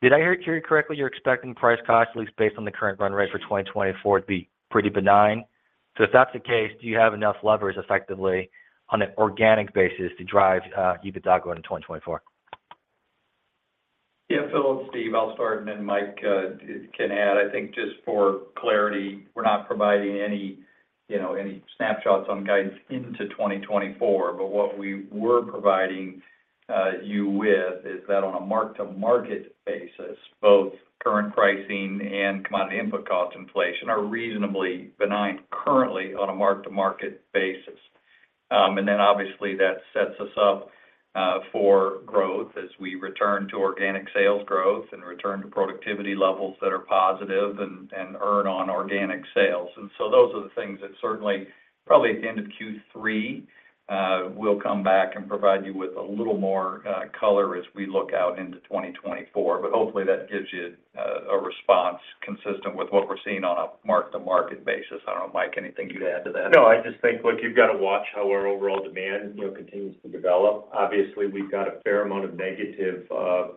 Did I hear you correctly, you're expecting price cost, at least based on the current run rate for 2024, to be pretty benign? If that's the case, do you have enough levers effectively on an organic basis to drive EBITDA growth in 2024? Yeah, Philip, it's Steve. I'll start, and then Mike can add. I think just for clarity, we're not providing any, you know, any snapshots on guidance into 2024, but what we were providing you with is that on a mark-to-market basis, both current pricing and commodity input cost inflation are reasonably benign currently on a mark-to-market basis. Then obviously, that sets us up for growth as we return to organic sales growth and return to productivity levels that are positive and earn on organic sales. Those are the things that certainly, probably at the end of Q3, we'll come back and provide you with a little more color as we look out into 2024, but hopefully, that gives you a response consistent with what we're seeing on a mark-to-market basis. I don't know, Mike, anything you'd add to that? No, I just think, look, you've got to watch how our overall demand, you know, continues to develop. Obviously, we've got a fair amount of negative,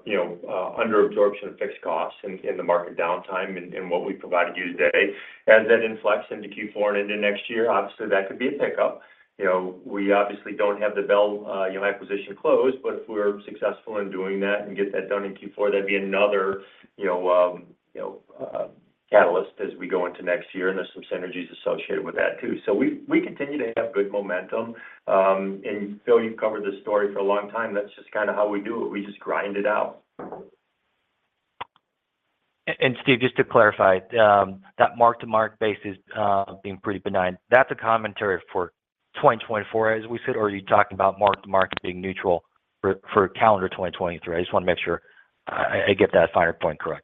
you know, under absorption of fixed costs in, in the market downtime and, and what we provided you today. As that inflects into Q4 and into next year, obviously, that could be a pickup. You know, we obviously don't have the Bell, you know, acquisition closed, but if we're successful in doing that and get that done in Q4, that'd be another, you know, you know, catalyst as we go into next year, and there's some synergies associated with that, too. We, we continue to have good momentum. Philip, you've covered this story for a long time. That's just kind of how we do it. We just grind it out. Steve, just to clarify, that mark-to-market basis, being pretty benign, that's a commentary for 2024. As we sit already talking about mark to market being neutral for, for calendar 2023. I just want to make sure I, I get that finer point correct.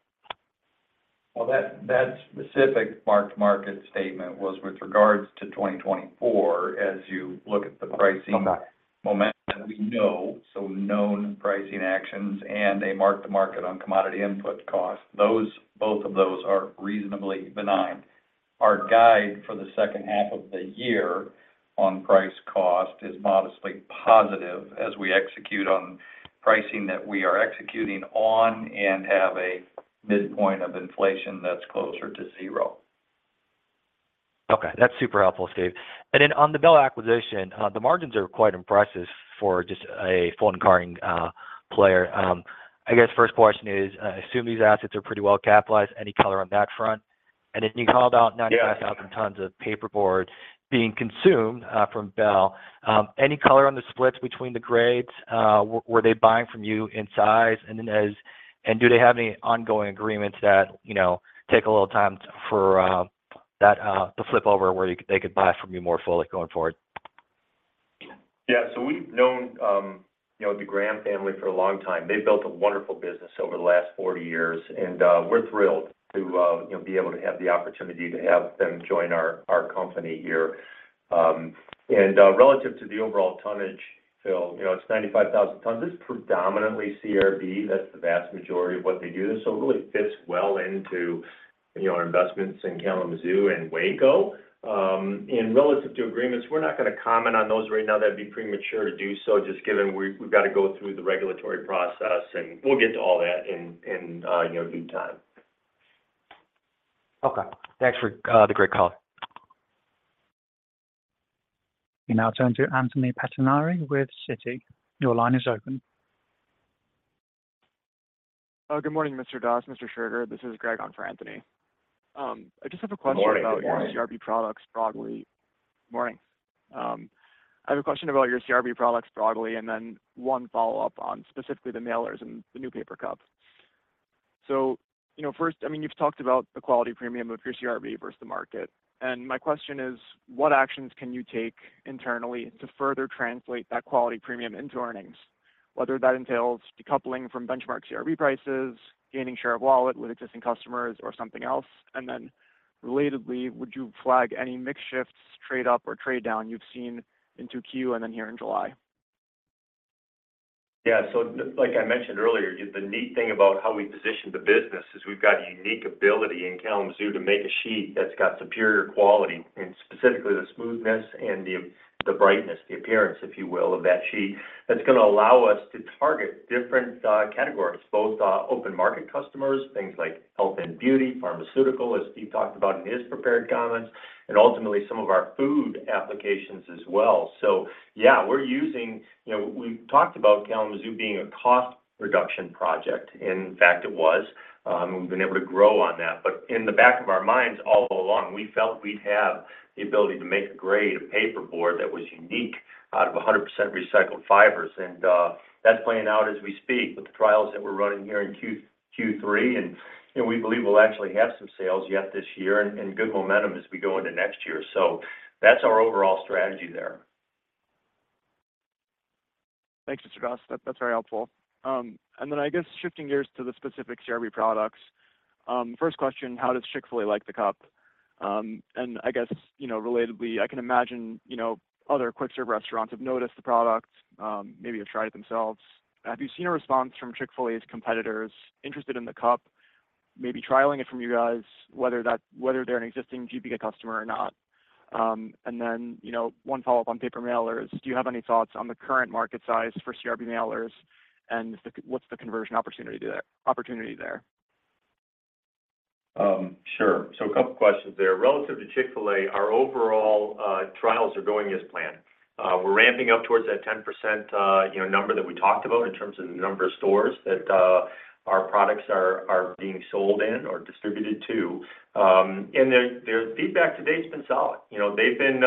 Well, that, that specific mark-to-market statement was with regards to 2024. As you look at the pricing- Okay momentum, we know, so known pricing actions and a mark-to-market on commodity input costs. Those, both of those are reasonably benign. Our guide for the second half of the year on price cost is modestly positive as we execute on pricing that we are executing on and have a midpoint of inflation that's closer to zero. Okay. That's super helpful, Steve. Then on the Bell acquisition, the margins are quite impressive for just a folding carton player. I guess first question is, assume these assets are pretty well capitalized. Any color on that front? Then you called out 95- Yeah 1,000 tons of paperboard being consumed, from Bell. Any color on the splits between the grades? Were they buying from you in size? Then do they have any ongoing agreements that, you know, take a little time for that to flip over where you they could buy from you more fully going forward? Yeah, so we've known, you know, the Graham family for a long time. They've built a wonderful business over the last 40 years, and we're thrilled to, you know, be able to have the opportunity to have them join our, our company here. Relative to the overall tonnage, Phil, you know, it's 95,000 tons. It's predominantly CRB. That's the vast majority of what they do. It really fits well into, you know, our investments in Kalamazoo and Waco. Relative to agreements, we're not gonna comment on those right now. That'd be premature to do so, just given we, we've got to go through the regulatory process, and we'll get to all that in, you know, due time. Okay. Thanks for the great call. We now turn to Anthony Pettinari with Citi. Your line is open. Good morning, Mr. Doss, Mr. Scherger. This is Greg on for Anthony. I just have a question. Good morning. Good morning About your CRB products broadly. Morning. I have a question about your CRB products broadly, then 1 follow-up on specifically the mailers and the new paper cups. You know, first, I mean, you've talked about the quality premium of your CRB versus the market. My question is, what actions can you take internally to further translate that quality premium into earnings? Whether that entails decoupling from benchmark CRB prices, gaining share of wallet with existing customers or something else. Then relatedly, would you flag any mix shifts, trade up or trade down you've seen into Q and then here in July? Yeah, like I mentioned earlier, the neat thing about how we positioned the business is we've got a unique ability in Kalamazoo to make a sheet that's got superior quality, and specifically the smoothness and the brightness, the appearance, if you will, of that sheet. That's gonna allow us to target different categories, both open market customers, things like health and beauty, pharmaceutical, as Steve talked about in his prepared comments, and ultimately some of our food applications as well. You know, we've talked about Kalamazoo being a cost reduction project. In fact, it was, and we've been able to grow on that. In the back of our minds all along, we felt we'd have the ability to make a grade, a paperboard that was unique out of 100% recycled fibers. That's playing out as we speak with the trials that we're running here in Q3. You know, we believe we'll actually have some sales yet this year and good momentum as we go into next year. That's our overall strategy there. Thanks, Mr. Doss. That, that's very helpful. I guess shifting gears to the specific CRB products. First question, how does Chick-fil-A like the cup? I guess, you know, relatedly, I can imagine, you know, other Quick Service Restaurants have noticed the product, maybe have tried it themselves. Have you seen a response from Chick-fil-A's competitors interested in the cup, maybe trialing it from you guys, whether they're an existing GPA customer or not? Then, you know, one follow-up on paper mailers, do you have any thoughts on the current market size for CRB mailers, what's the conversion opportunity there? Sure. A couple questions there. Relative to Chick-fil-A, our overall, trials are going as planned. We're ramping up towards that 10%, you know, number that we talked about in terms of the number of stores that, our products are, are being sold in or distributed to. Their, their feedback to date has been solid. You know, they've been.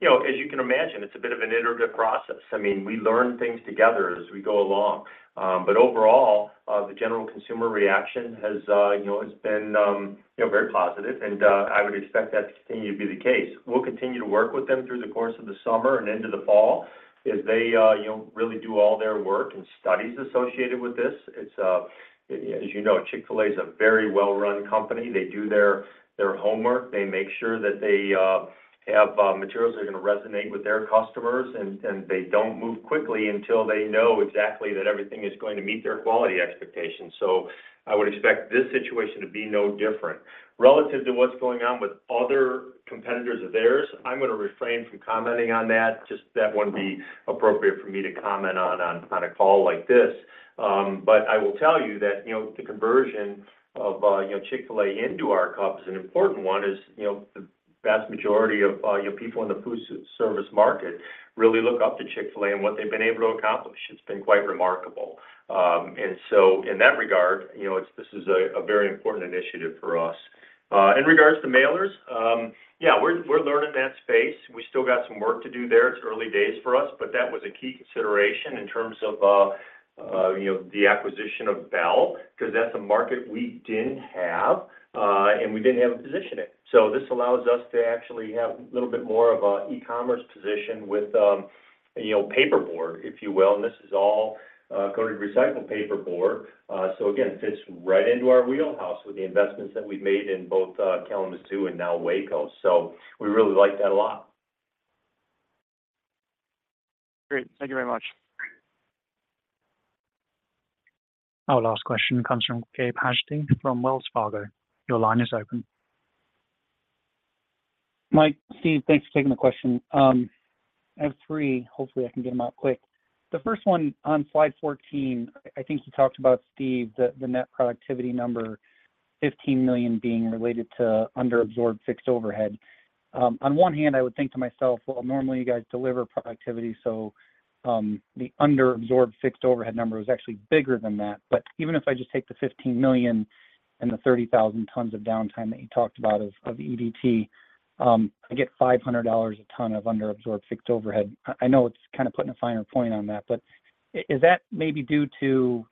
You know, as you can imagine, it's a bit of an iterative process. I mean, we learn things together as we go along. Overall, the general consumer reaction has, you know, has been, you know, very positive, and I would expect that to continue to be the case. We'll continue to work with them through the course of the summer and into the fall, as they, you know, really do all their work and studies associated with this. It's, as you know, Chick-fil-A is a very well-run company. They do their, their homework. They make sure that they have materials that are gonna resonate with their customers, and they don't move quickly until they know exactly that everything is going to meet their quality expectations. I would expect this situation to be no different. Relative to what's going on with other competitors of theirs, I'm gonna refrain from commenting on that. That wouldn't be appropriate for me to comment on, on, on a call like this. I will tell you that, you know, the conversion of, you know, Chick-fil-A into our cup is an important one, as, you know, the vast majority of, you know, people in the food service market really look up to Chick-fil-A and what they've been able to accomplish. It's been quite remarkable. In that regard, you know, this is a, a very important initiative for us. In regards to mailers, yeah, we're, we're learning that space. We still got some work to do there. It's early days for us, but that was a key consideration in terms of, you know, the acquisition of Bell, 'cause that's a market we didn't have, and we didn't have a position in. This allows us to actually have a little bit more of a e-commerce position with, you know, paper board, if you will. This is all, coated recycled paper board. Again, fits right into our wheelhouse with the investments that we've made in both, Kalamazoo and now Waco. We really like that a lot. Great. Thank you very much. Our last question comes from Gabe Hajde from Wells Fargo. Your line is open. Mike, Steve, thanks for taking the question. I have three. Hopefully, I can get them out quick. The first one, on slide 14, I, I think you talked about, Steve, the, the net productivity number, $15 million being related to underabsorbed fixed overhead. On one hand, I would think to myself, well, normally, you guys deliver productivity, so, the underabsorbed fixed overhead number was actually bigger than that. Even if I just take the $15 million and the 30,000 tons of downtime that you talked about of, of EDT, I get $500 a ton of underabsorbed fixed overhead. I, I know it's kind of putting a finer point on that, but is that maybe due to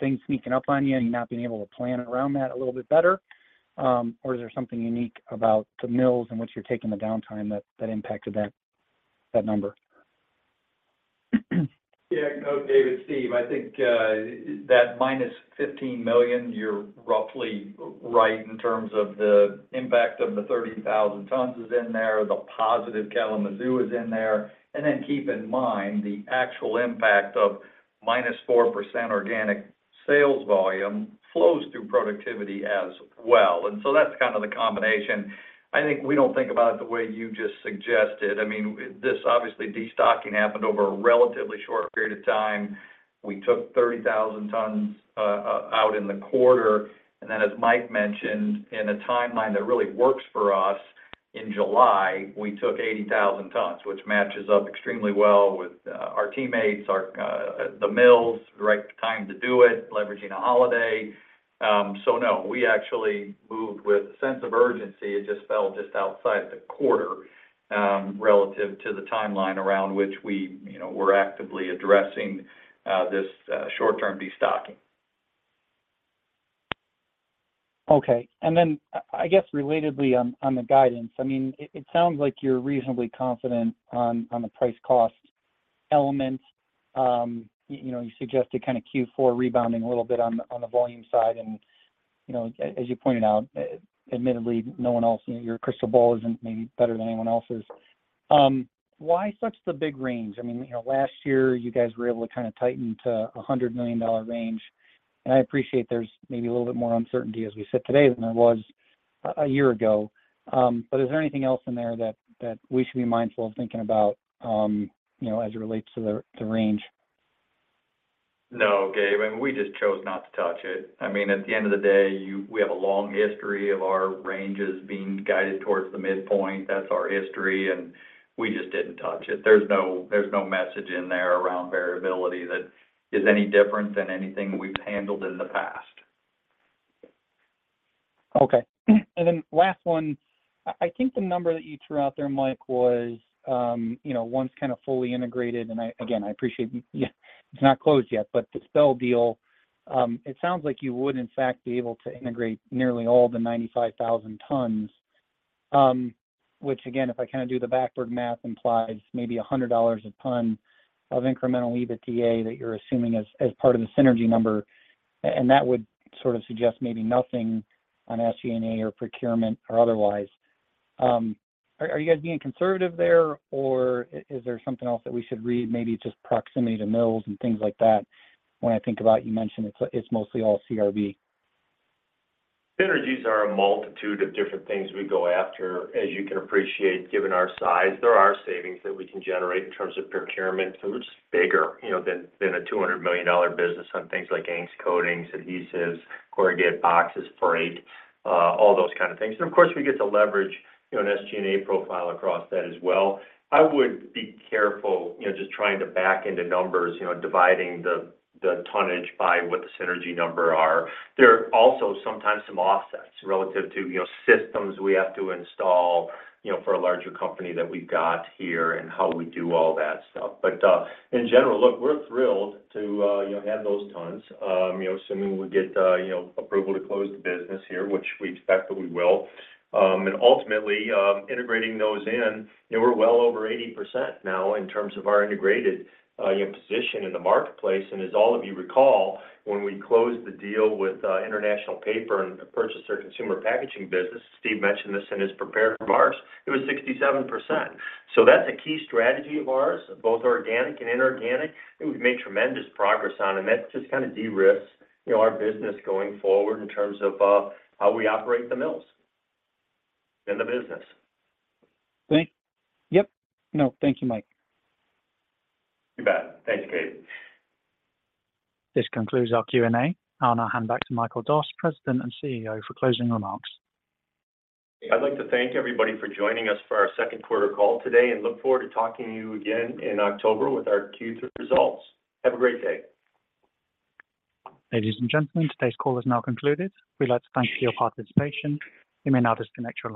things sneaking up on you and you not being able to plan around that a little bit better? Is there something unique about the mills in which you're taking the downtime that, that impacted that, that number? Yeah. No, David, Steve, I think that -$15 million, you're roughly right in terms of the impact of the 30,000 tons is in there, the positive Kalamazoo is in there. Then keep in mind, the actual impact of -4% organic sales volume flows through productivity as well. So that's kind of the combination. I think we don't think about it the way you just suggested. I mean, this, obviously, destocking happened over a relatively short period of time. We took 30,000 tons out in the quarter, then, as Mike mentioned, in a timeline that really works for us, in July, we took 80,000 tons, which matches up extremely well with our teammates, our the mills, the right time to do it, leveraging a holiday. No, we actually moved with a sense of urgency. It just fell just outside the quarter, relative to the timeline around which we, you know, we're actively addressing, this short term destocking. Okay. Then I, I guess, relatedly on, on the guidance, I mean, it sounds like you're reasonably confident on, on the price cost elements. you know, you suggested kind of Q4 rebounding a little bit on the, on the volume side. As you pointed out, admittedly, no one else, you know, your crystal ball isn't maybe better than anyone else's. Why such the big range? I mean, you know, last year you guys were able to kind of tighten to a $100 million range. I appreciate there's maybe a little bit more uncertainty, as we sit today, than there was a year ago. Is there anything else in there that, that we should be mindful of thinking about, you know, as it relates to the, the range? No, Gabe, I mean, we just chose not to touch it. I mean, at the end of the day, we have a long history of our ranges being guided towards the midpoint. That's our history, we just didn't touch it. There's no, there's no message in there around variability that is any different than anything we've handled in the past. Last one. I, I think the number that you threw out there, Mike, was, you know, once kind of fully integrated, and I, again, I appreciate, yeah, it's not closed yet, but the Bell deal, it sounds like you would, in fact, be able to integrate nearly all the 95,000 tons. Which again, if I kind of do the backward math, implies maybe $100 a ton of incremental EBITDA that you're assuming as part of the synergy number, and that would sort of suggest maybe nothing on SG&A or procurement or otherwise. Are you guys being conservative there, or is there something else that we should read, maybe just proximity to mills and things like that, when I think about you mentioned it's mostly all CRV? Synergies are a multitude of different things we go after. As you can appreciate, given our size, there are savings that we can generate in terms of procurement. It's bigger, you know, than, than a $200 million business on things like inks, coatings, adhesives, corrugated boxes, freight, all those kind of things. Of course, we get to leverage, you know, an SG&A profile across that as well. I would be careful, you know, just trying to back into numbers, you know, dividing the, the tonnage by what the synergy number are. There are also sometimes some offsets relative to, you know, systems we have to install, you know, for a larger company that we've got here and how we do all that stuff. In general, look, we're thrilled to, you know, have those tons. You know, assuming we get, you know, approval to close the business here, which we expect that we will. Ultimately, integrating those in, you know, we're well over 80% now in terms of our integrated position in the marketplace. As all of you recall, when we closed the deal with International Paper and purchased their consumer packaging business, Steve Scherger mentioned this in his prepared remarks, it was 67%. That's a key strategy of ours, both organic and inorganic, and we've made tremendous progress on them. That just kind of de-risks, you know, our business going forward in terms of how we operate the mills and the business. Thank you. Yep. No, thank you, Mike. You bet. Thank you, Gabe. This concludes our Q&A. I'll now hand back to Michael Doss, President and CEO, for closing remarks. I'd like to thank everybody for joining us for our second quarter call today, and look forward to talking to you again in October with our Q3 results. Have a great day. Ladies and gentlemen, today's call is now concluded. We'd like to thank you for your participation. You may now disconnect your lines.